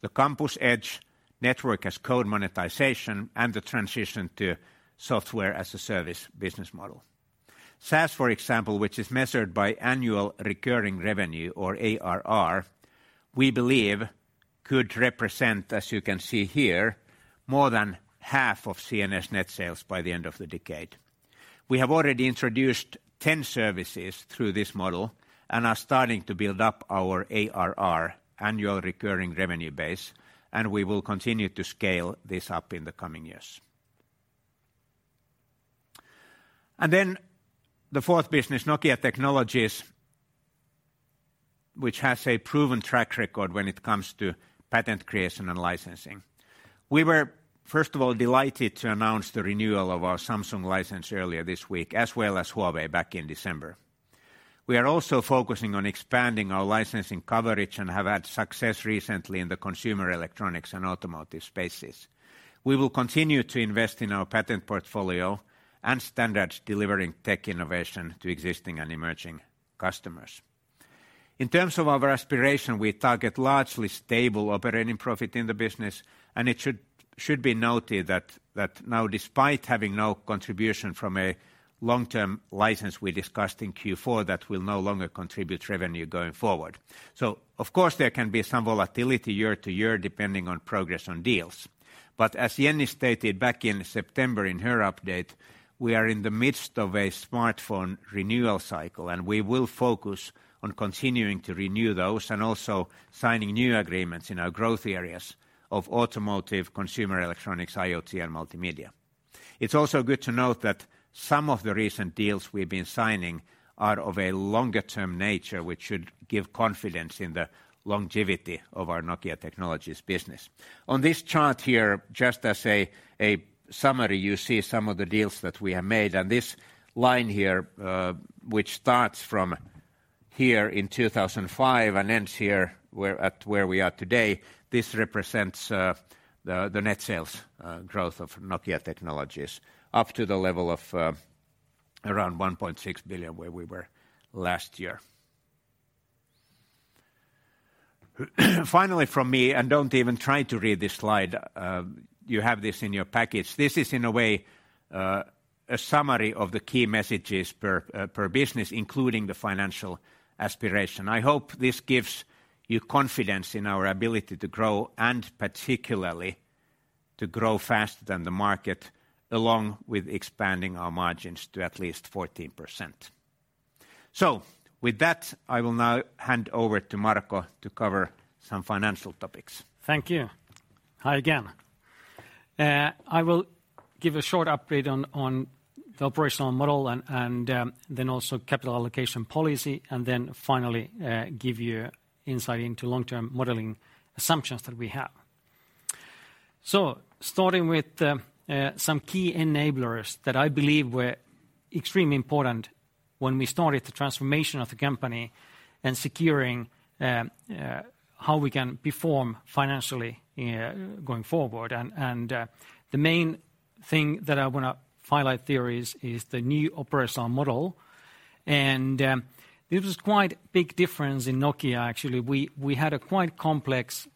The Campus Edge Network as Code monetization and the transition to Software as a Service business model. SaaS, for example, which is measured by annual recurring revenue or ARR, we believe could represent, as you can see here, more than half of CNS net sales by the end of the decade. We have already introduced 10 services through this model and are starting to build up our ARR, annual recurring revenue base, and we will continue to scale this up in the coming years. The fourth business, Nokia Technologies, which has a proven track record when it comes to patent creation and licensing. We were, first of all, delighted to announce the renewal of our Samsung license earlier this week, as well as Huawei back in December. We are also focusing on expanding our licensing coverage and have had success recently in the consumer electronics and automotive spaces. We will continue to invest in our patent portfolio and standards delivering tech innovation to existing and emerging customers. In terms of our aspiration, we target largely stable operating profit in the business, and it should be noted that now despite having no contribution from a long-term license we discussed in Q4 that will no longer contribute revenue going forward. Of course, there can be some volatility year-to-year depending on progress on deals. As Jenni stated back in September in her update, we are in the midst of a smartphone renewal cycle, and we will focus on continuing to renew those and also signing new agreements in our growth areas of automotive, consumer electronics, IoT, and multimedia. It's also good to note that some of the recent deals we've been signing are of a longer-term nature, which should give confidence in the longevity of our Nokia Technologies business. On this chart here, just as a summary, you see some of the deals that we have made, and this line here, which starts from here in 2005 and ends here where we are today, this represents the net sales growth of Nokia Technologies up to the level of around 1.6 billion, where we were last year. Finally from me, don't even try to read this slide, you have this in your package. This is, in a way, a summary of the key messages per business, including the financial aspiration. I hope this gives you confidence in our ability to grow and particularly to grow faster than the market, along with expanding our margins to at least 14%. With that, I will now hand over to Marco to cover some financial topics. Thank you. Hi again. I will give a short update on the operational model, capital allocation policy, and finally, give you insight into long-term modeling assumptions that we have. Starting with some key enablers that I believe were extremely important when we started the transformation of the company and securing how we can perform financially going forward. The main thing that I wanna highlight here is the new operational model. This was quite big difference in Nokia, actually. We had a quite complex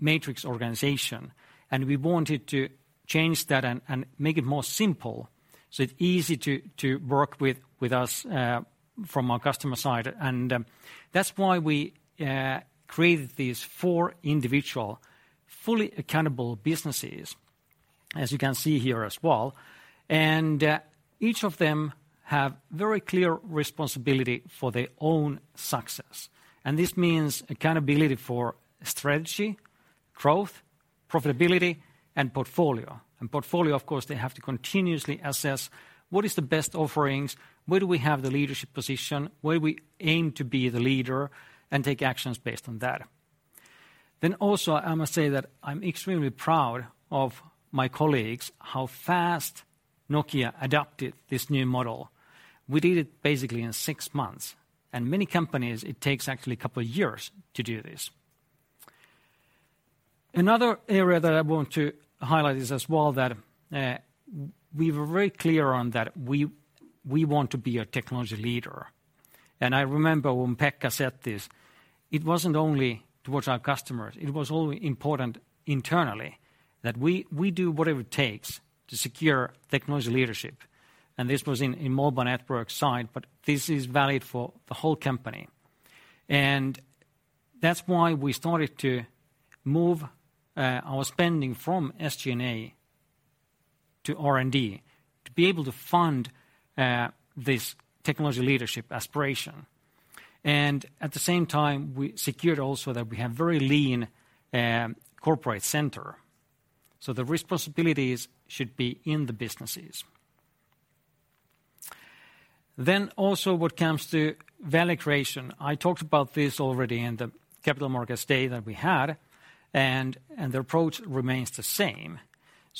matrix organization, and we wanted to change that and make it more simple, so it's easy to work with us from our customer side. That's why we created these four individual, fully accountable businesses, as you can see here as well. Each of them have very clear responsibility for their own success. This means accountability for strategy, growth, profitability, and portfolio. Portfolio, of course, they have to continuously assess what is the best offerings, where do we have the leadership position, where we aim to be the leader and take actions based on that. Also, I must say that I'm extremely proud of my colleagues, how fast Nokia adopted this new model. We did it basically in six months. Many companies, it takes actually a couple of years to do this. Another area that I want to highlight is as well that we were very clear on that we want to be a technology leader. I remember when Pekka said this, it wasn't only towards our customers, it was only important internally that we do whatever it takes to secure technology leadership. This was in mobile network side, but this is valid for the whole company. That's why we started to move our spending from SG&A to R&D to be able to fund this technology leadership aspiration. At the same time, we secured also that we have very lean corporate center. So the responsibilities should be in the businesses. Also what comes to value creation. I talked about this already in the Capital Markets Day that we had, and the approach remains the same.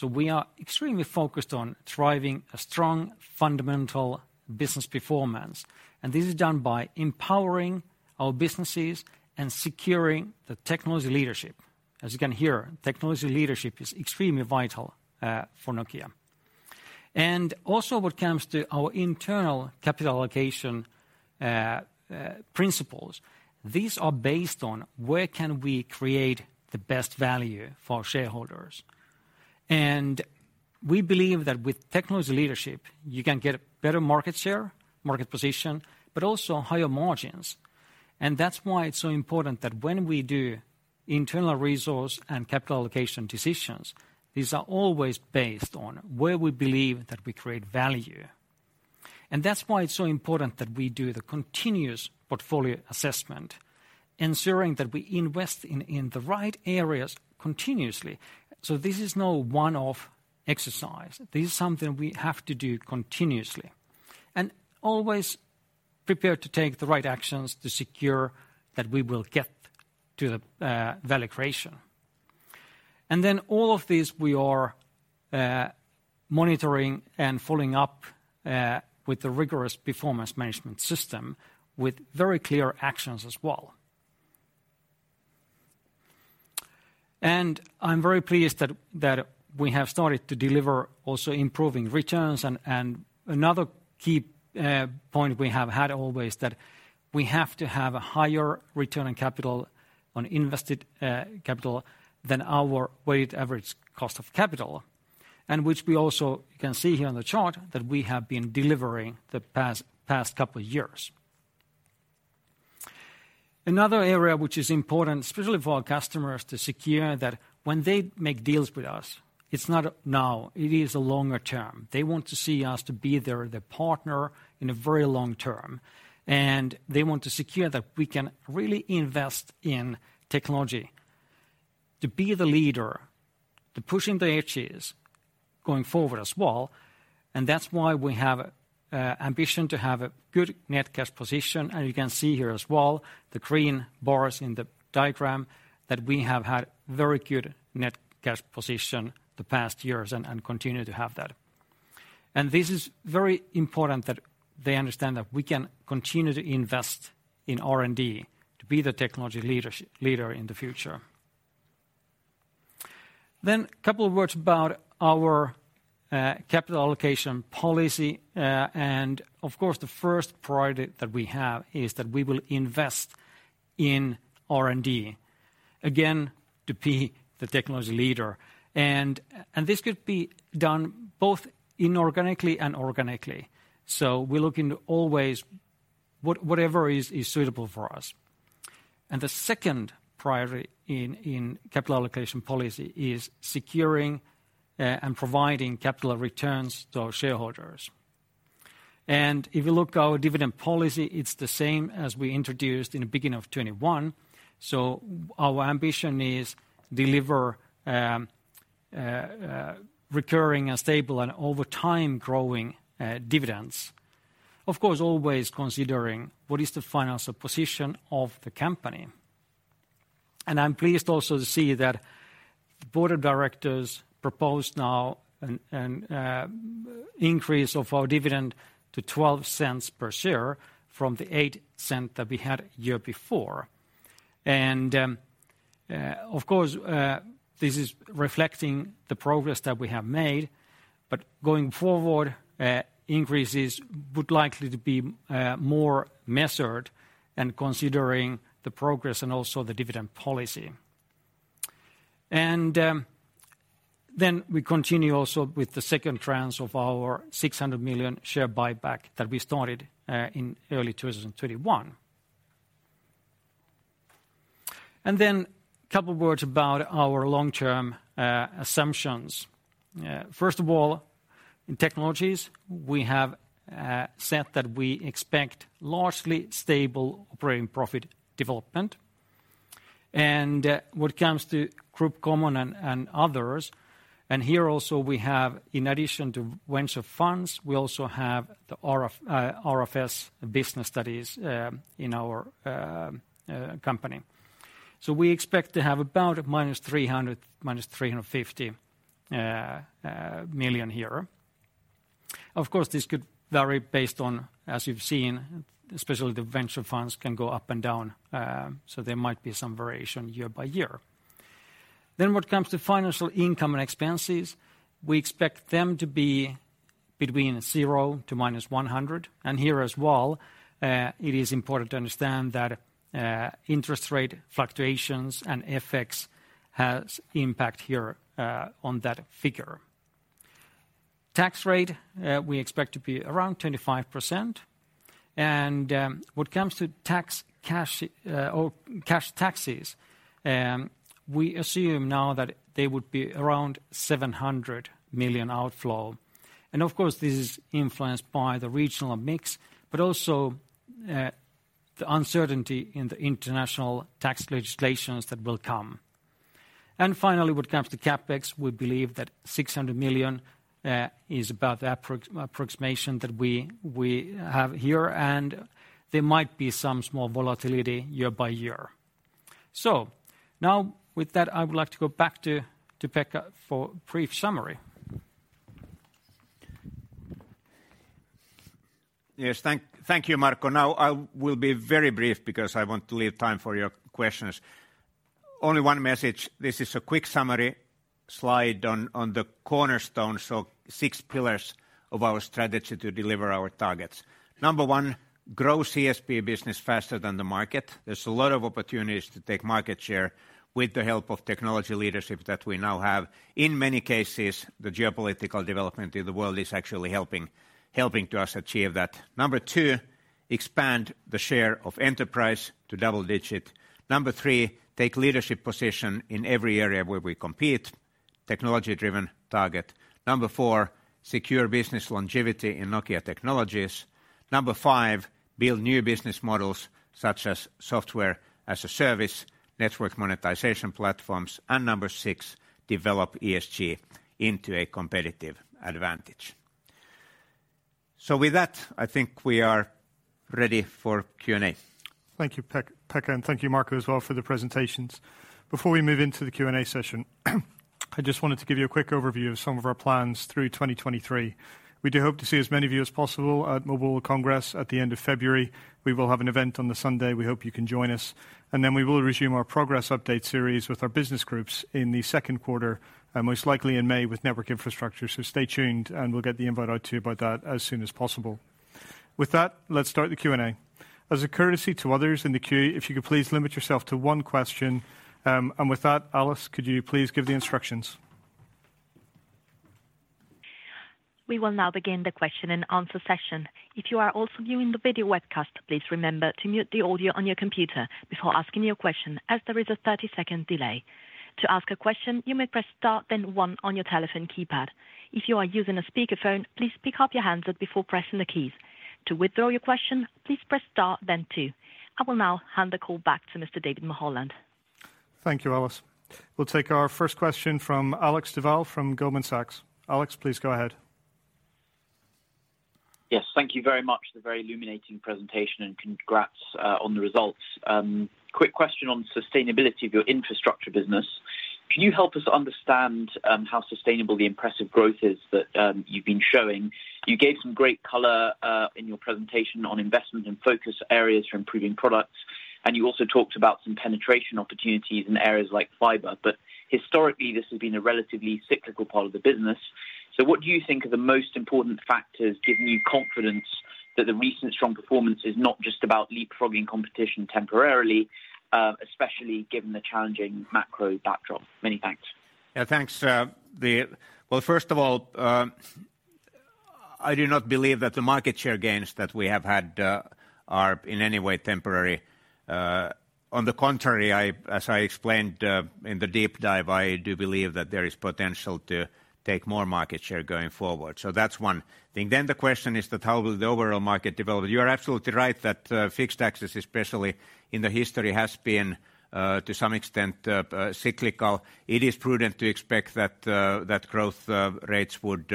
We are extremely focused on driving a strong fundamental business performance, and this is done by empowering our businesses and securing the technology leadership. As you can hear, technology leadership is extremely vital for Nokia. Also what comes to our internal capital allocation principles. These are based on where can we create the best value for shareholders. We believe that with technology leadership, you can get better market share, market position, but also higher margins. That's why it's so important that when we do internal resource and capital allocation decisions, these are always based on where we believe that we create value. That's why it's so important that we do the continuous portfolio assessment, ensuring that we invest in the right areas continuously. This is no one-off exercise. This is something we have to do continuously and always prepare to take the right actions to secure that we will get to the value creation. All of these, we are monitoring and following up with the rigorous performance management system with very clear actions as well. I'm very pleased that we have started to deliver also improving returns. Another key point we have had always that we have to have a higher return on capital on invested capital than our weighted average cost of capital. Which we also can see here on the chart that we have been delivering the past couple of years. Another area which is important especially for our customers to secure that when they make deals with us, it's not now, it is a longer term. They want to see us to be their partner in a very long term, and they want to secure that we can really invest in technology to be the leader, to pushing the edges going forward as well, and that's why we have ambition to have a good net cash position. You can see here as well, the green bars in the diagram that we have had very good net cash position the past years and continue to have that. This is very important that they understand that we can continue to invest in R&D to be the technology leadership, leader in the future. Couple of words about our capital allocation policy. Of course, the first priority that we have is that we will invest in R&D, again, to be the technology leader. This could be done both inorganically and organically. We're looking always whatever is suitable for us. The second priority in capital allocation policy is securing and providing capital returns to our shareholders. If you look our dividend policy, it's the same as we introduced in the beginning of 2021. Our ambition is deliver recurring and stable and over time growing dividends. Of course, always considering what is the financial position of the company. I'm pleased also to see that the Board of Directors propose now an increase of our dividend to 0.12 per share from the 0.08 that we had year before. Of course, this is reflecting the progress that we have made, but going forward, increases would likely to be more measured and considering the progress and also the dividend policy. Then we continue also with the second tranche of our 600 million share buyback that we started in early 2021. Then couple words about our long-term assumptions. First of all, in Technologies, we have said that we expect largely stable operating profit development. When it comes to Group Common and Other, here also we have in addition to venture funds, we also have the RFS business that is in our company. We expect to have about minus 300 million-minus 350 million here. Of course, this could vary based on, as you've seen, especially the venture funds can go up and down, so there might be some variation year by year. When it comes to financial income and expenses, we expect them to be between 0 to 100 million. Here as well, it is important to understand that, interest rate fluctuations and FX has impact here, on that figure. Tax rate, we expect to be around 25%. When it comes to tax cash, or cash taxes, we assume now that they would be around 700 million outflow. Of course, this is influenced by the regional mix, but also, the uncertainty in the international tax legislations that will come. Finally, when it comes to CapEx, we believe that 600 million is about the approximation that we have here, and there might be some small volatility year by year. Now with that, I would like to go back to Pekka for brief summary. Yes. Thank you, Marco. Now, I will be very brief because I want to leave time for your questions. Only one message. This is a quick summary slide on the cornerstone, so six pillars of our strategy to deliver our targets. Number one, grow CSP business faster than the market. There's a lot of opportunities to take market share with the help of technology leadership that we now have. In many cases, the geopolitical development in the world is actually helping to us achieve that. Number two, expand the share of enterprise to double-digit. Number three, take leadership position in every area where we compete, technology-driven target. Number four, secure business longevity in Nokia Technologies. Number five, build new business models such as Software as a Service, Network Monetization Platforms. Number six, develop ESG into a competitive advantage. With that, I think we are ready for Q&A. Thank you, Pekka, and thank you Marco as well for the presentations. Before we move into the Q&A session, I just wanted to give you a quick overview of some of our plans through 2023. We do hope to see as many of you as possible at Mobile World Congress at the end of February. We will have an event on the Sunday. We hope you can join us. Then we will resume our progress update series with our business groups in the second quarter, most likely in May with Network Infrastructure. Stay tuned and we'll get the invite out to you about that as soon as possible. With that, let's start the Q&A. As a courtesy to others in the queue, if you could please limit yourself to one question. With that, Alice, could you please give the instructions? We will now begin the question and answer session. If you are also viewing the video webcast, please remember to mute the audio on your computer before asking your question as there is a 30-second delay. To ask a question, you may press star then one on your telephone keypad. If you are using a speakerphone, please pick up your handset before pressing the keys. To withdraw your question, please press star then two. I will now hand the call back to Mr. David Mulholland. Thank you, Alice. We'll take our first question from Alexander Duval from Goldman Sachs. Alex, please go ahead. Yes. Thank you very much for the very illuminating presentation, and congrats on the results. Quick question on sustainability of your infrastructure business. Can you help us understand how sustainable the impressive growth is that you've been showing? You gave some great color in your presentation on investment and focus areas for improving products. You also talked about some penetration opportunities in areas like fiber. Historically, this has been a relatively cyclical part of the business. What do you think are the most important factors giving you confidence that the recent strong performance is not just about leapfrogging competition temporarily, especially given the challenging macro backdrop? Many thanks. Yeah, thanks. Well, first of all, I do not believe that the market share gains that we have had are in any way temporary. On the contrary, as I explained, in the deep dive, I do believe that there is potential to take more market share going forward. That's one thing. The question is that how will the overall market develop? You are absolutely right that fixed access, especially in the history, has been to some extent cyclical. It is prudent to expect that growth rates would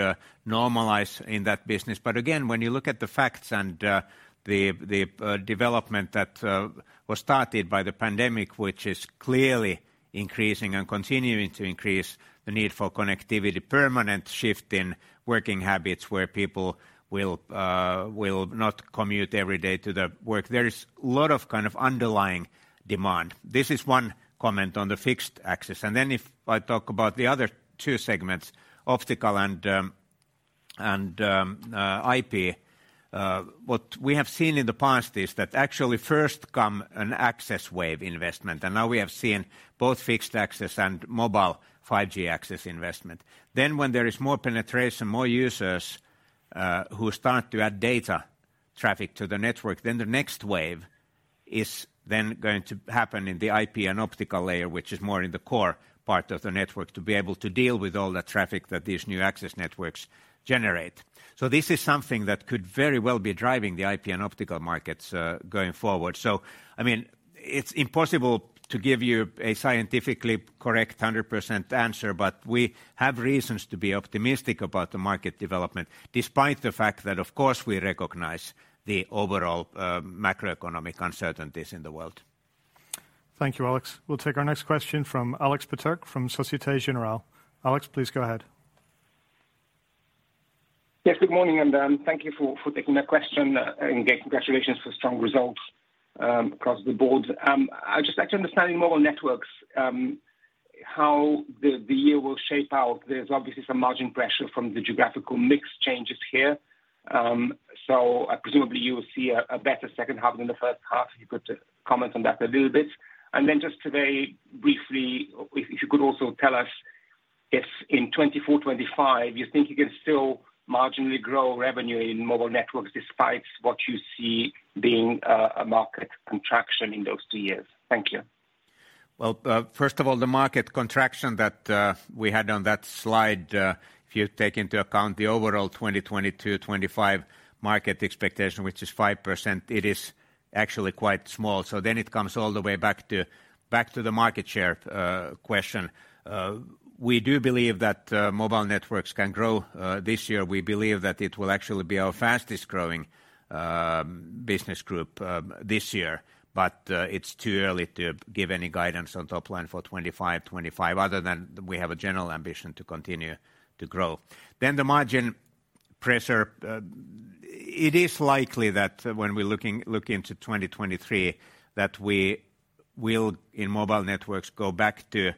normalize in that business. Again, when you look at the facts and the development that was started by the pandemic, which is clearly increasing and continuing to increase the need for connectivity, permanent shift in working habits where people will not commute every day to the work. There is a lot of kind of underlying demand. This is one comment on the fixed access. Then if I talk about the other two segments, optical and IP, what we have seen in the past is that actually first come an access wave investment. Now we have seen both fixed access and mobile 5G access investment. When there is more penetration, more users, who start to add data traffic to the network, the next wave is going to happen in the IP and Optical layer, which is more in the core part of the network to be able to deal with all the traffic that these new access networks generate. This is something that could very well be driving the IP and Optical markets, going forward. I mean, it's impossible to give you a scientifically correct 100% answer, but we have reasons to be optimistic about the market development, despite the fact that, of course, we recognize the overall macroeconomic uncertainties in the world. Thank you, Alex. We'll take our next question from Aleksander Peterc from Société Générale. Aleks, please go ahead. Yes, good morning, and thank you for taking the question. Congratulations for strong results across the board. I'd just like to understand in Mobile Networks how the year will shape out. There's obviously some margin pressure from the geographical mix changes here. Presumably you will see a better second half than the first half. If you could comment on that a little bit. Then just today, briefly, if you could also tell us if in 2024, 2025, you think you can still marginally grow revenue in Mobile Networks despite what you see being a market contraction in those two years. Thank you. First of all, the market contraction that we had on that slide, if you take into account the overall 2020 to 2025 market expectation, which is 5%, it is actually quite small. It comes all the way back to the market share question. We do believe that mobile networks can grow this year. We believe that it will actually be our fastest growing business group this year. It's too early to give any guidance on top line for 2025, other than we have a general ambition to continue to grow. The margin pressure, it is likely that when we look into 2023, that we will, in mobile networks, go back to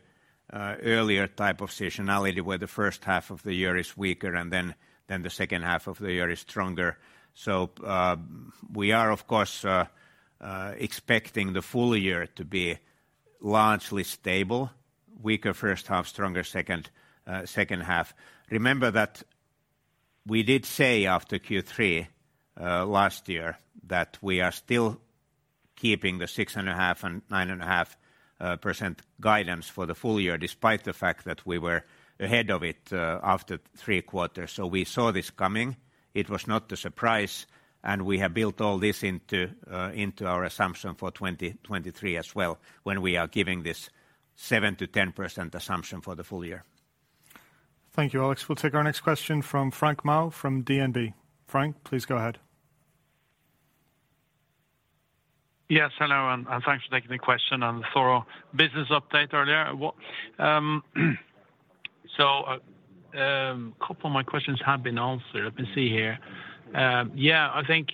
earlier type of seasonality, where the first half of the year is weaker and then the second half of the year is stronger. We are, of course, expecting the full year to be largely stable, weaker first half, stronger second half. Remember that we did say after Q3 last year that we are still keeping the 6.5% and 9.5% guidance for the full year, despite the fact that we were ahead of it after three quarters. We saw this coming. It was not a surprise, and we have built all this into our assumption for 2023 as well, when we are giving this 7%-10% assumption for the full year. Thank you, Aleks. We'll take our next question from Frank Maaø from DNB. Frank, please go ahead. Yes, hello, and thanks for taking the question and the thorough business update earlier. A couple of my questions have been answered. Let me see here. I think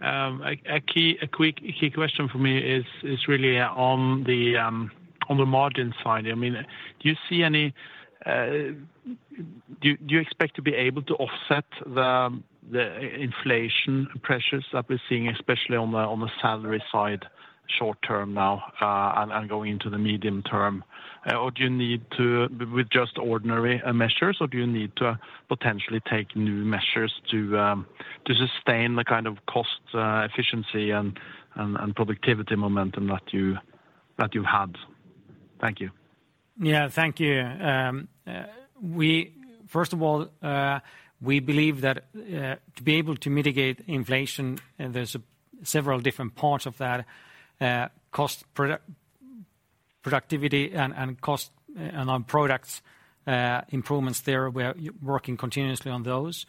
a quick key question for me is really on the margin side. I mean, do you see any, do you expect to be able to offset the inflation pressures that we're seeing, especially on the salary side short term now, and going into the medium term? Do you need to with just ordinary measures, or do you need to potentially take new measures to sustain the kind of cost efficiency and productivity momentum that you had? Thank you. Thank you. First of all, we believe that to be able to mitigate inflation, there's several different parts of that, cost product-productivity and cost and on products, improvements there, we are working continuously on those.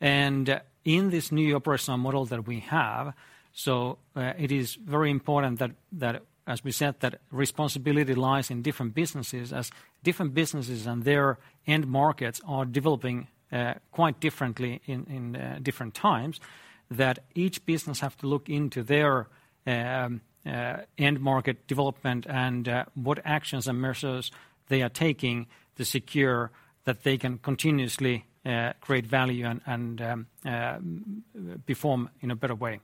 In this new operational model that we have, it is very important that, as we said, that responsibility lies in different businesses, as different businesses and their end markets are developing quite differently in different times, that each business have to look into their end market development and what actions and measures they are taking to secure that they can continuously create value and perform in a better way.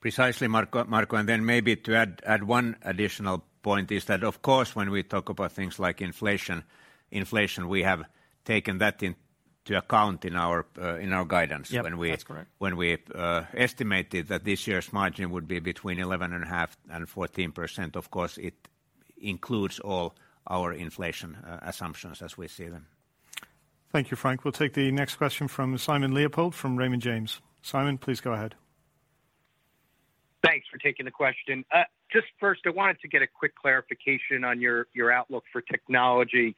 Precisely, Marco. Then maybe to add one additional point is that, of course, when we talk about things like inflation, we have taken that into account in our guidance. Yep, that's correct. When we estimated that this year's margin would be between 11.5% and 14%. Of course, it includes all our inflation assumptions as we see them. Thank you, Frank. We'll take the next question from Simon Leopold from Raymond James. Simon, please go ahead. Thanks for taking the question. just first, I wanted to get a quick clarification on your outlook for technology,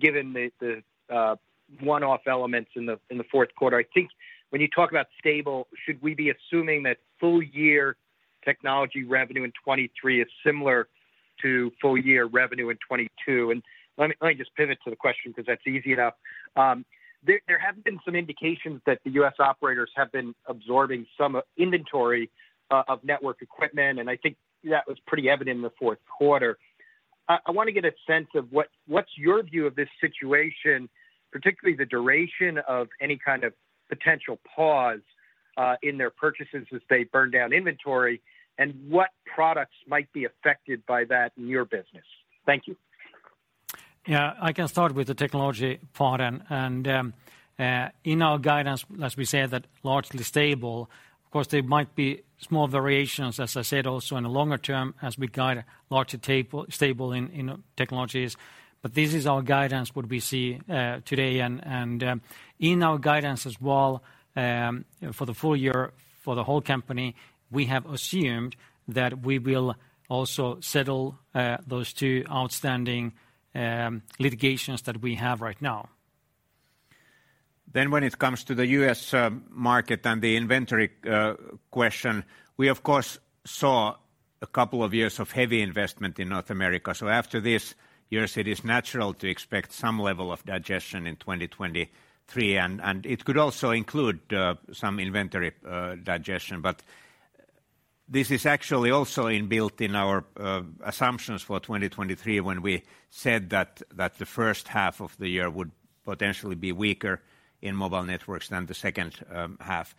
given the one-off elements in the fourth quarter. I think when you talk about stable, should we be assuming that full year technology revenue in 2023 is similar to full year revenue in 2022? Let me just pivot to the question because that's easy enough. There have been some indications that the U.S. operators have been absorbing some inventory of network equipment, and I think that was pretty evident in the fourth quarter. I wanna get a sense of what's your view of this situation, particularly the duration of any kind of potential pause in their purchases as they burn down inventory, and what products might be affected by that in your business? Thank you. Yeah, I can start with the technology part and, in our guidance, as we said, that largely stable. Of course, there might be small variations, as I said, also in the longer term as we guide largely stable in technologies. This is our guidance, what we see today. In our guidance as well, for the full year for the whole company, we have assumed that we will also settle those two outstanding litigations that we have right now. When it comes to the U.S. market and the inventory question, we of course saw a couple of years of heavy investment in North America. After this, years it is natural to expect some level of digestion in 2023. It could also include some inventory digestion. This is actually also inbuilt in our assumptions for 2023 when we said that the first half of the year would potentially be weaker in mobile networks than the second half.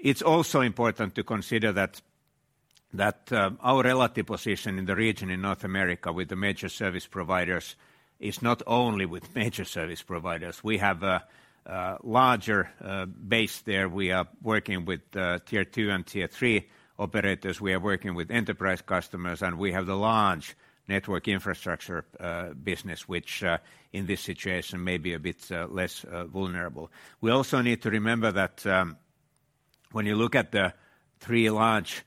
It's also important to consider that our relative position in the region in North America with the major service providers is not only with major service providers. We have a larger base there. We are working with tier two and tier three operators. We are working with enterprise customers, we have the large network infrastructure business which in this situation may be a bit less vulnerable. We also need to remember that when you look at the three large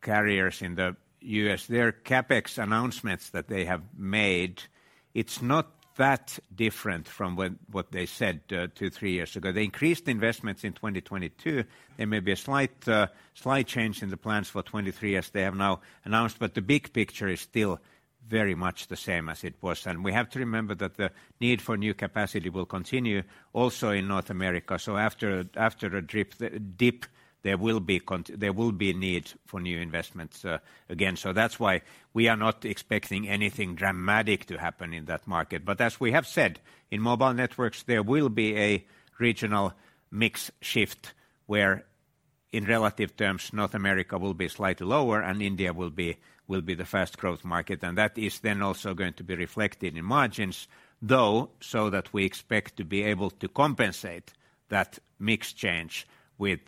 carriers in the U.S., their CapEx announcements that they have made, it's not that different from what they said two, three years ago. They increased investments in 2022. There may be a slight change in the plans for 2023 as they have now announced, but the big picture is still very much the same as it was. We have to remember that the need for new capacity will continue also in North America. After a drip, dip, there will be need for new investments again. That's why we are not expecting anything dramatic to happen in that market. As we have said, in mobile networks, there will be a regional mix shift where, in relative terms, North America will be slightly lower and India will be the fast growth market, also going to be reflected in margins. We expect to be able to compensate that mix change with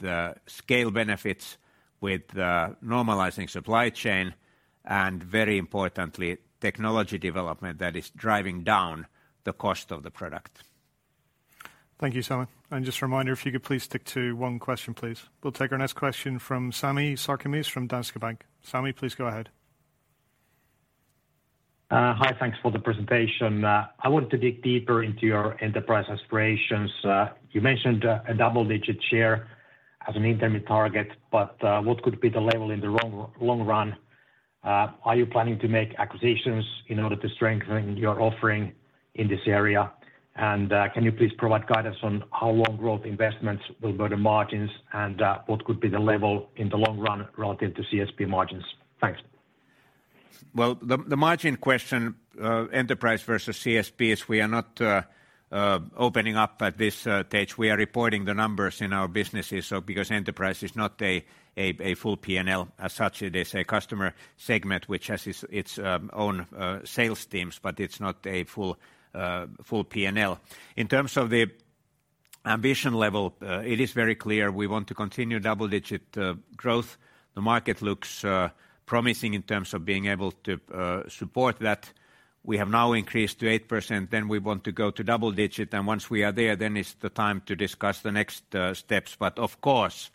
scale benefits, with normalizing supply chain, and very importantly, technology development that is driving down the cost of the product. Thank you, Simon. Just a reminder, if you could please stick to one question, please. We'll take our next question from Sami Sarkamies from Danske Bank. Sami, please go ahead. Hi. Thanks for the presentation. I want to dig deeper into your enterprise aspirations. You mentioned a double-digit share as an intermediate target, but what could be the level in the long run? Are you planning to make acquisitions in order to strengthen your offering in this area? Can you please provide guidance on how long growth investments will go to margins, and what could be the level in the long run relative to CSP margins? Thanks. Well, the margin question, enterprise versus CSPs, we are not opening up at this stage. We are reporting the numbers in our businesses, because enterprise is not a full P&L. As such, it is a customer segment which has its own sales teams, but it's not a full P&L. In terms of the ambition level, it is very clear we want to continue double-digit growth. The market looks promising in terms of being able to support that. We have now increased to 8%, then we want to go to double-digit, and once we are there, then it's the time to discuss the next steps. Of course,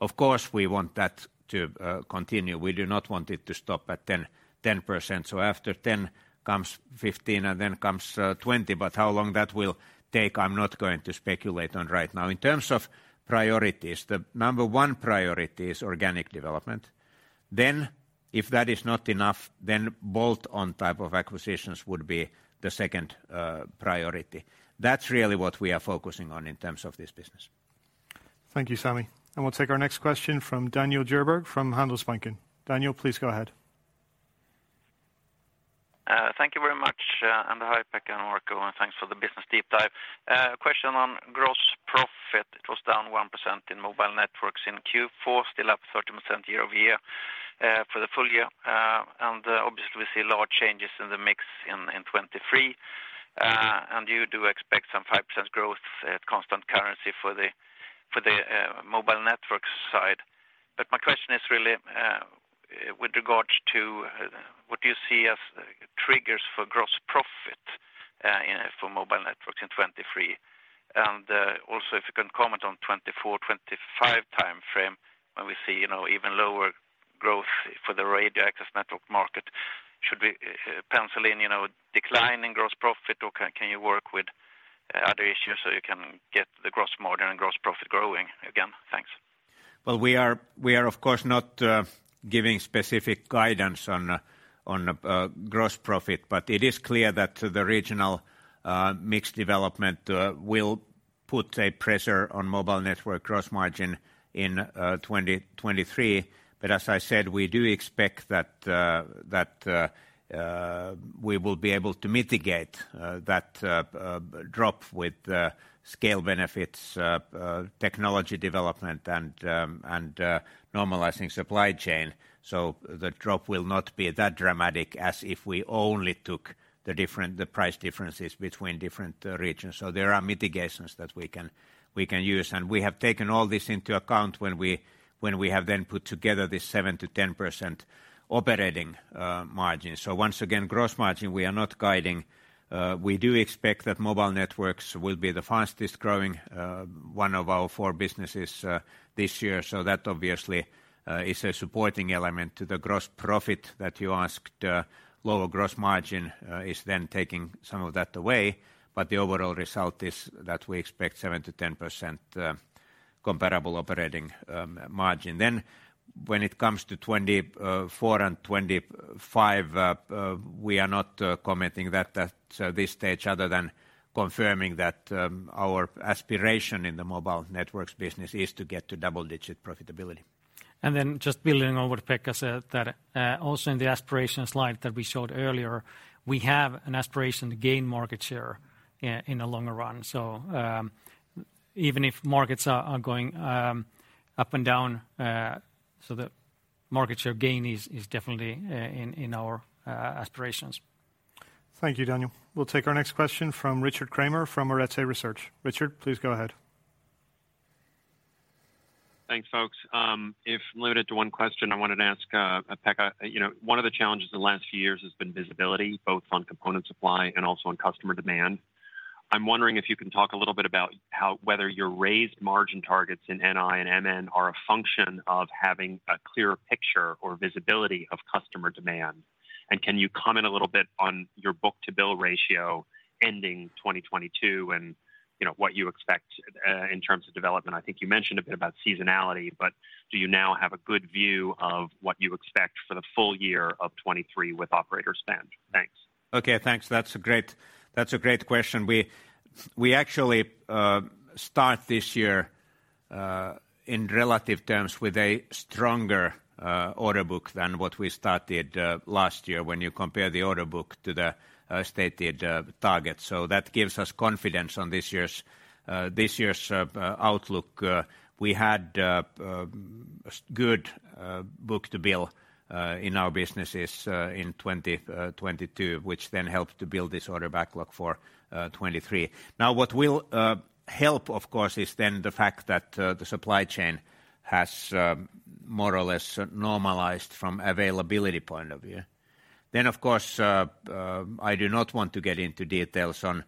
of course, we want that to continue. We do not want it to stop at 10%. After 10% comes 15%, and then comes 20%. How long that will take, I'm not going to speculate on right now. In terms of priorities, the number one priority is organic development. If that is not enough, then bolt-on type of acquisitions would be the second priority. That's really what we are focusing on in terms of this business. Thank you, Sami. We'll take our next question from Daniel Djurberg from Handelsbanken. Daniel, please go ahead. Thank you very much, and hi, Pekka and Marco, and thanks for the business deep dive. Question on grossIt was down 1% in mobile networks in Q4, still up 30% year-over-year for the full year. Obviously, we see large changes in the mix in 2023. You do expect some 5% growth at constant currency for the mobile network side. My question is really, with regards to what do you see as triggers for gross profit, you know, for mobile networks in 2023. Also if you can comment on 2024, 2025 timeframe when we see, you know, even lower growth for the radio access network market. Should we pencil in, you know, decline in gross profit, or can you work with other issues so you can get the gross margin and gross profit growing again? Thanks. Well, we are of course not giving specific guidance on gross profit. It is clear that the regional mixed development will put a pressure on mobile network gross margin in 2023. As I said, we do expect that we will be able to mitigate that drop with the scale benefits, technology development and normalizing supply chain. The drop will not be that dramatic as if we only took the price differences between different regions. There are mitigations that we can use. We have taken all this into account when we have then put together this 7%-10% operating margin. Once again, gross margin, we are not guiding. We do expect that Mobile Networks will be the fastest-growing, one of our four businesses, this year. That obviously is a supporting element to the gross profit that you asked. Lower gross margin is taking some of that away, but the overall result is that we expect 7%-10% comparable operating margin. When it comes to 2024 and 2025, we are not commenting that at this stage, other than confirming that our aspiration in the Mobile Networks business is to get to double-digit profitability. Just building on what Pekka said, that, also in the aspiration slide that we showed earlier, we have an aspiration to gain market share in the longer run. Even if markets are going up and down, the market share gain is definitely in our aspirations. Thank you, Daniel. We'll take our next question from Richard Kramer from Arete Research. Richard, please go ahead. Thanks, folks. If limited to one question, I wanted to ask Pekka. You know, one of the challenges in the last few years has been visibility, both on component supply and also on customer demand. I'm wondering if you can talk a little bit about how whether your raised margin targets in NI and MN are a function of having a clearer picture or visibility of customer demand. Can you comment a little bit on your book-to-bill ratio ending 2022 and, you know, what you expect in terms of development? I think you mentioned a bit about seasonality. Do you now have a good view of what you expect for the full year of 2023 with operator spend? Thanks. Okay, thanks. That's a great question. We actually start this year in relative terms with a stronger order book than what we started last year when you compare the order book to the stated target. That gives us confidence on this year's outlook. We had good book-to-bill in our businesses in 2022, which helped to build this order backlog for 2023. What will help, of course, is the fact that the supply chain has more or less normalized from availability point of view. Of course, I do not want to get into details on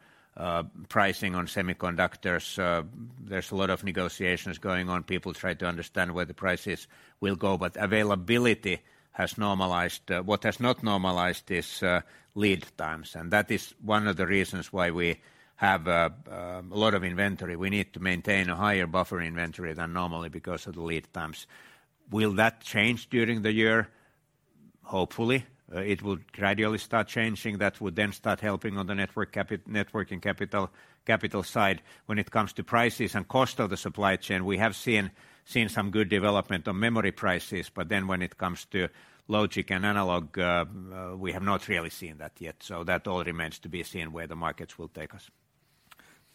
pricing on semiconductors. There's a lot of negotiations going on. People try to understand where the prices will go, but availability has normalized. What has not normalized is lead times, and that is one of the reasons why we have a lot of inventory. We need to maintain a higher buffer inventory than normally because of the lead times. Will that change during the year? Hopefully. It will gradually start changing. That would then start helping on the networking capital side. When it comes to prices and cost of the supply chain, we have seen some good development on memory prices. When it comes to logic and analog, we have not really seen that yet. That all remains to be seen where the markets will take us.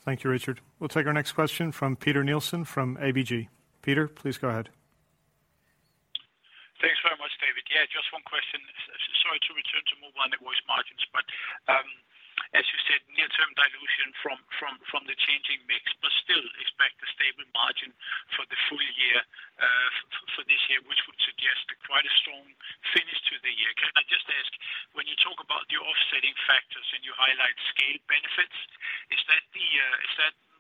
Thank you, Richard. We'll take our next question from Peter Nielsen from ABG. Peter, please go ahead. Thanks very much, David. Just one question. Sorry to return to Mobile Networks margins, but as you said, near-term dilution from the changing mix, but still expect a stable margin for the full year for this year, which would suggest a quite a strong finish to the year. Can I just ask, when you talk about the offsetting factors and you highlight scale benefits, is that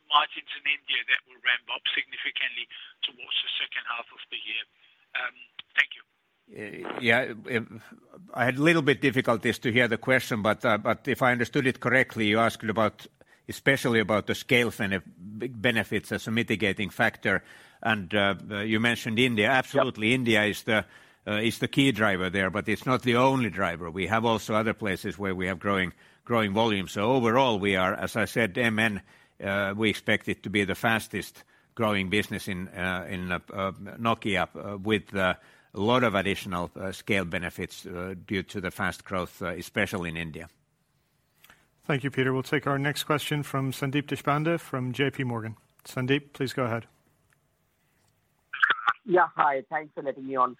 margins in India that will ramp up significantly towards the second half of the year? Thank you. Yeah. I had a little bit difficulties to hear the question, but if I understood it correctly, you asked about, especially about the scale benefits as a mitigating factor, and you mentioned India. Absolutely, India is the key driver there, but it's not the only driver. We have also other places where we have growing volume. Overall, we are, as I said, MN, we expect it to be the fastest-growing business in Nokia, with a lot of additional scale benefits due to the fast growth, especially in India. Thank you, Peter. We'll take our next question from Sandeep Deshpande from J.P. Morgan. Sandeep, please go ahead. Yeah, hi. Thanks for letting me on.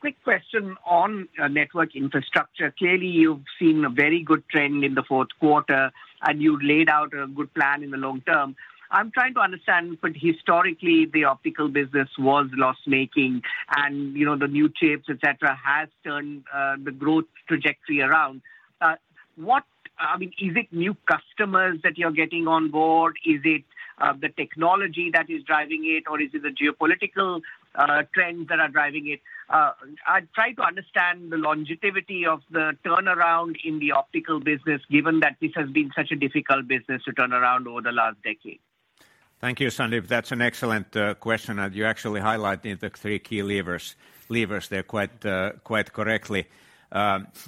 Quick question on Network Infrastructure. Clearly, you've seen a very good trend in the fourth quarter, and you laid out a good plan in the long term. I'm trying to understand, historically, the optical business was loss-making and, you know, the new chips, et cetera, has turned the growth trajectory around. I mean, is it new customers that you're getting on board? Is it the technology that is driving it, or is it the geopolitical trends that are driving it? I try to understand the longevity of the turnaround in the optical business, given that this has been such a difficult business to turn around over the last decade. Thank you, Sandeep. That's an excellent question. You're actually highlighting the three key levers there quite correctly.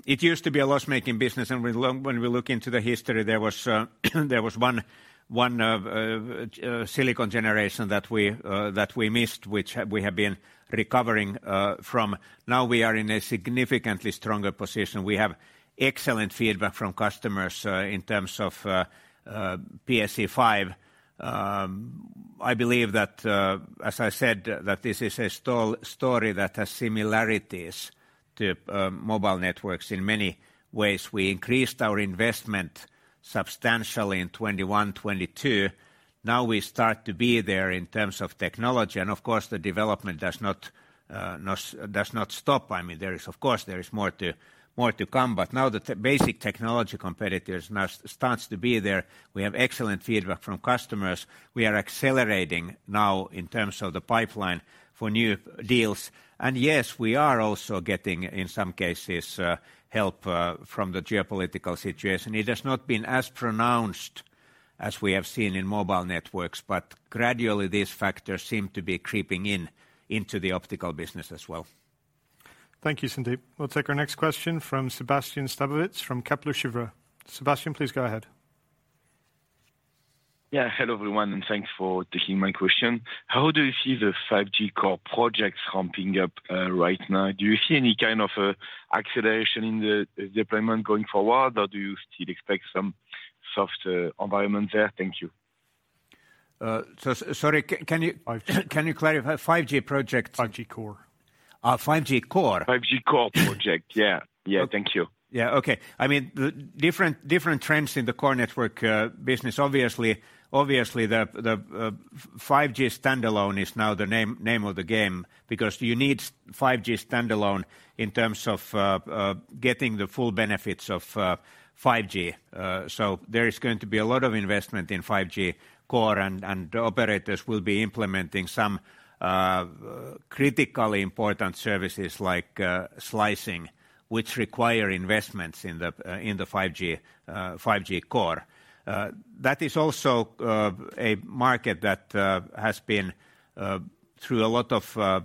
It used to be a loss-making business. When we look into the history, there was one silicon generation that we missed, which we have been recovering from. Now we are in a significantly stronger position. We have excellent feedback from customers in terms of PSE-V. I believe that, as I said, this is a story that has similarities to mobile networks in many ways. We increased our investment substantially in 2021, 2022. Now we start to be there in terms of technology. Of course, the development does not stop. I mean, there is, of course there is more to, more to come, but now the basic technology competitors now starts to be there. We have excellent feedback from customers. We are accelerating now in terms of the pipeline for new deals. Yes, we are also getting, in some cases, help from the geopolitical situation. It has not been as pronounced as we have seen in mobile networks, but gradually these factors seem to be creeping in, into the optical business as well. Thank you, Sandeep. We'll take our next question from Sébastien Sztabowicz from Kepler Cheuvreux. Sébastien, please go ahead. Yeah, hello everyone, thanks for taking my question. How do you see the 5G Core projects ramping up right now? Do you see any kind of acceleration in the deployment going forward, or do you still expect some soft environment there? Thank you. Sorry. Can you clarify? 5G project. 5G Core. 5G Core. 5G core project. Yeah. Thank you. Okay. I mean, the different trends in the core network business, obviously the 5G standalone is now the name of the game because you need 5G standalone in terms of getting the full benefits of 5G. There is going to be a lot of investment in 5G core and operators will be implementing some critically important services like slicing, which require investments in the 5G core. That is also a market that has been through a lot of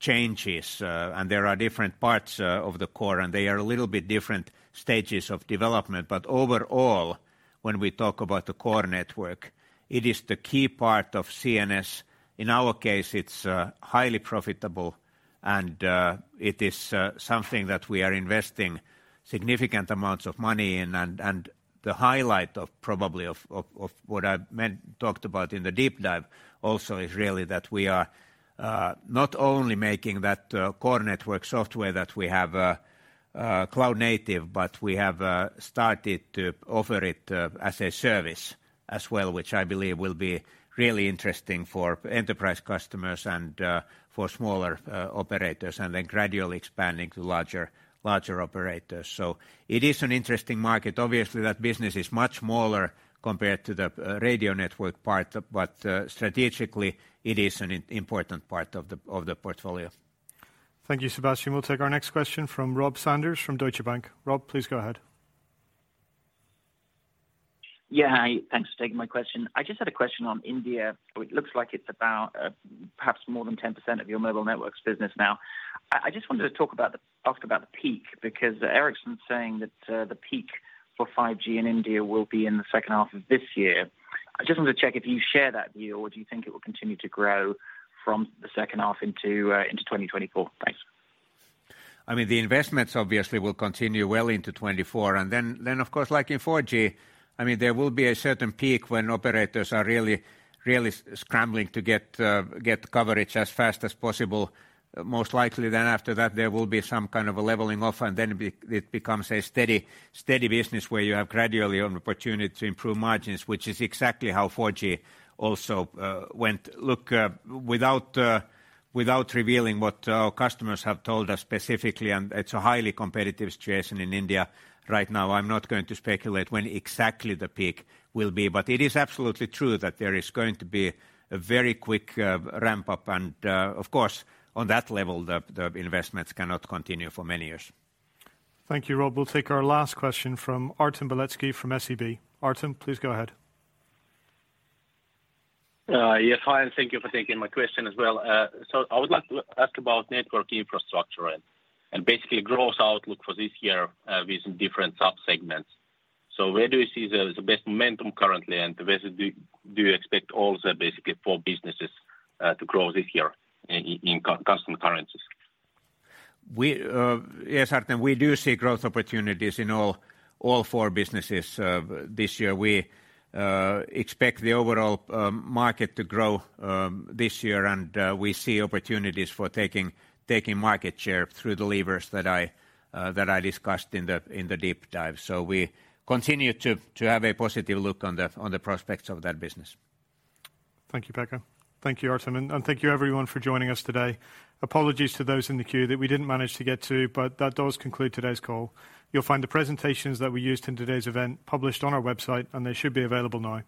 changes. There are different parts of the core, and they are a little bit different stages of development. Overall, when we talk about the core network, it is the key part of CNS. In our case, it's highly profitable and it is something that we are investing significant amounts of money in. The highlight of probably of, of what I talked about in the deep dive also is really that we are not only making that core network software that we have cloud native, but we have started to offer it as a service as well, which I believe will be really interesting for enterprise customers and for smaller operators, and then gradually expanding to larger operators. It is an interesting market. Obviously, that business is much smaller compared to the radio network part, but strategically, it is an important part of the portfolio. Thank you, Sébastien. We'll take our next question from Robert Sanders from Deutsche Bank. Rob, please go ahead. Yeah. Hi. Thanks for taking my question. I just had a question on India. It looks like it's about perhaps more than 10% of your Mobile Networks business now. I just wanted to talk about the peak, because Ericsson's saying that the peak for 5G in India will be in the second half of this year. I just wanted to check if you share that view, or do you think it will continue to grow from the second half into 2024? Thanks. I mean, the investments obviously will continue well into 2024. Then of course like in 4G, I mean, there will be a certain peak when operators are really scrambling to get coverage as fast as possible. Most likely then after that, there will be some kind of a leveling off and then it becomes a steady business where you have gradually an opportunity to improve margins, which is exactly how 4G also went. Look, without revealing what our customers have told us specifically, and it's a highly competitive situation in India right now, I'm not going to speculate when exactly the peak will be. It is absolutely true that there is going to be a very quick ramp-up and, of course, on that level, the investments cannot continue for many years. Thank you, Rob. We'll take our last question from Artem Beletski from SEB. Artem, please go ahead. Yes. Hi, thank you for taking my question as well. I would like to ask about network infrastructure and basically growth outlook for this year with different sub-segments. Where do you see the best momentum currently, and where do you expect all the basically four businesses to grow this year in constant currencies? Yes, Artem, we do see growth opportunities in all four businesses this year. We expect the overall market to grow this year, and we see opportunities for taking market share through the levers that I discussed in the deep dive. We continue to have a positive look on the prospects of that business. Thank you, Pekka. Thank you, Artem Beletski, and thank you everyone for joining us today. Apologies to those in the queue that we didn't manage to get to, that does conclude today's call. You'll find the presentations that we used in today's event published on our website, they should be available now.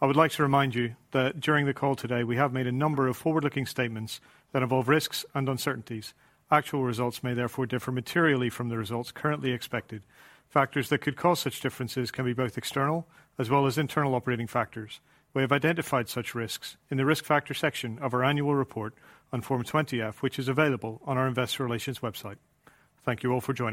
I would like to remind you that during the call today, we have made a number of forward-looking statements that involve risks and uncertainties. Actual results may therefore differ materially from the results currently expected. Factors that could cause such differences can be both external as well as internal operating factors. We have identified such risks in the risk factor section of our annual report on Form 20-F, which is available on our investor relations website. Thank you all for joining.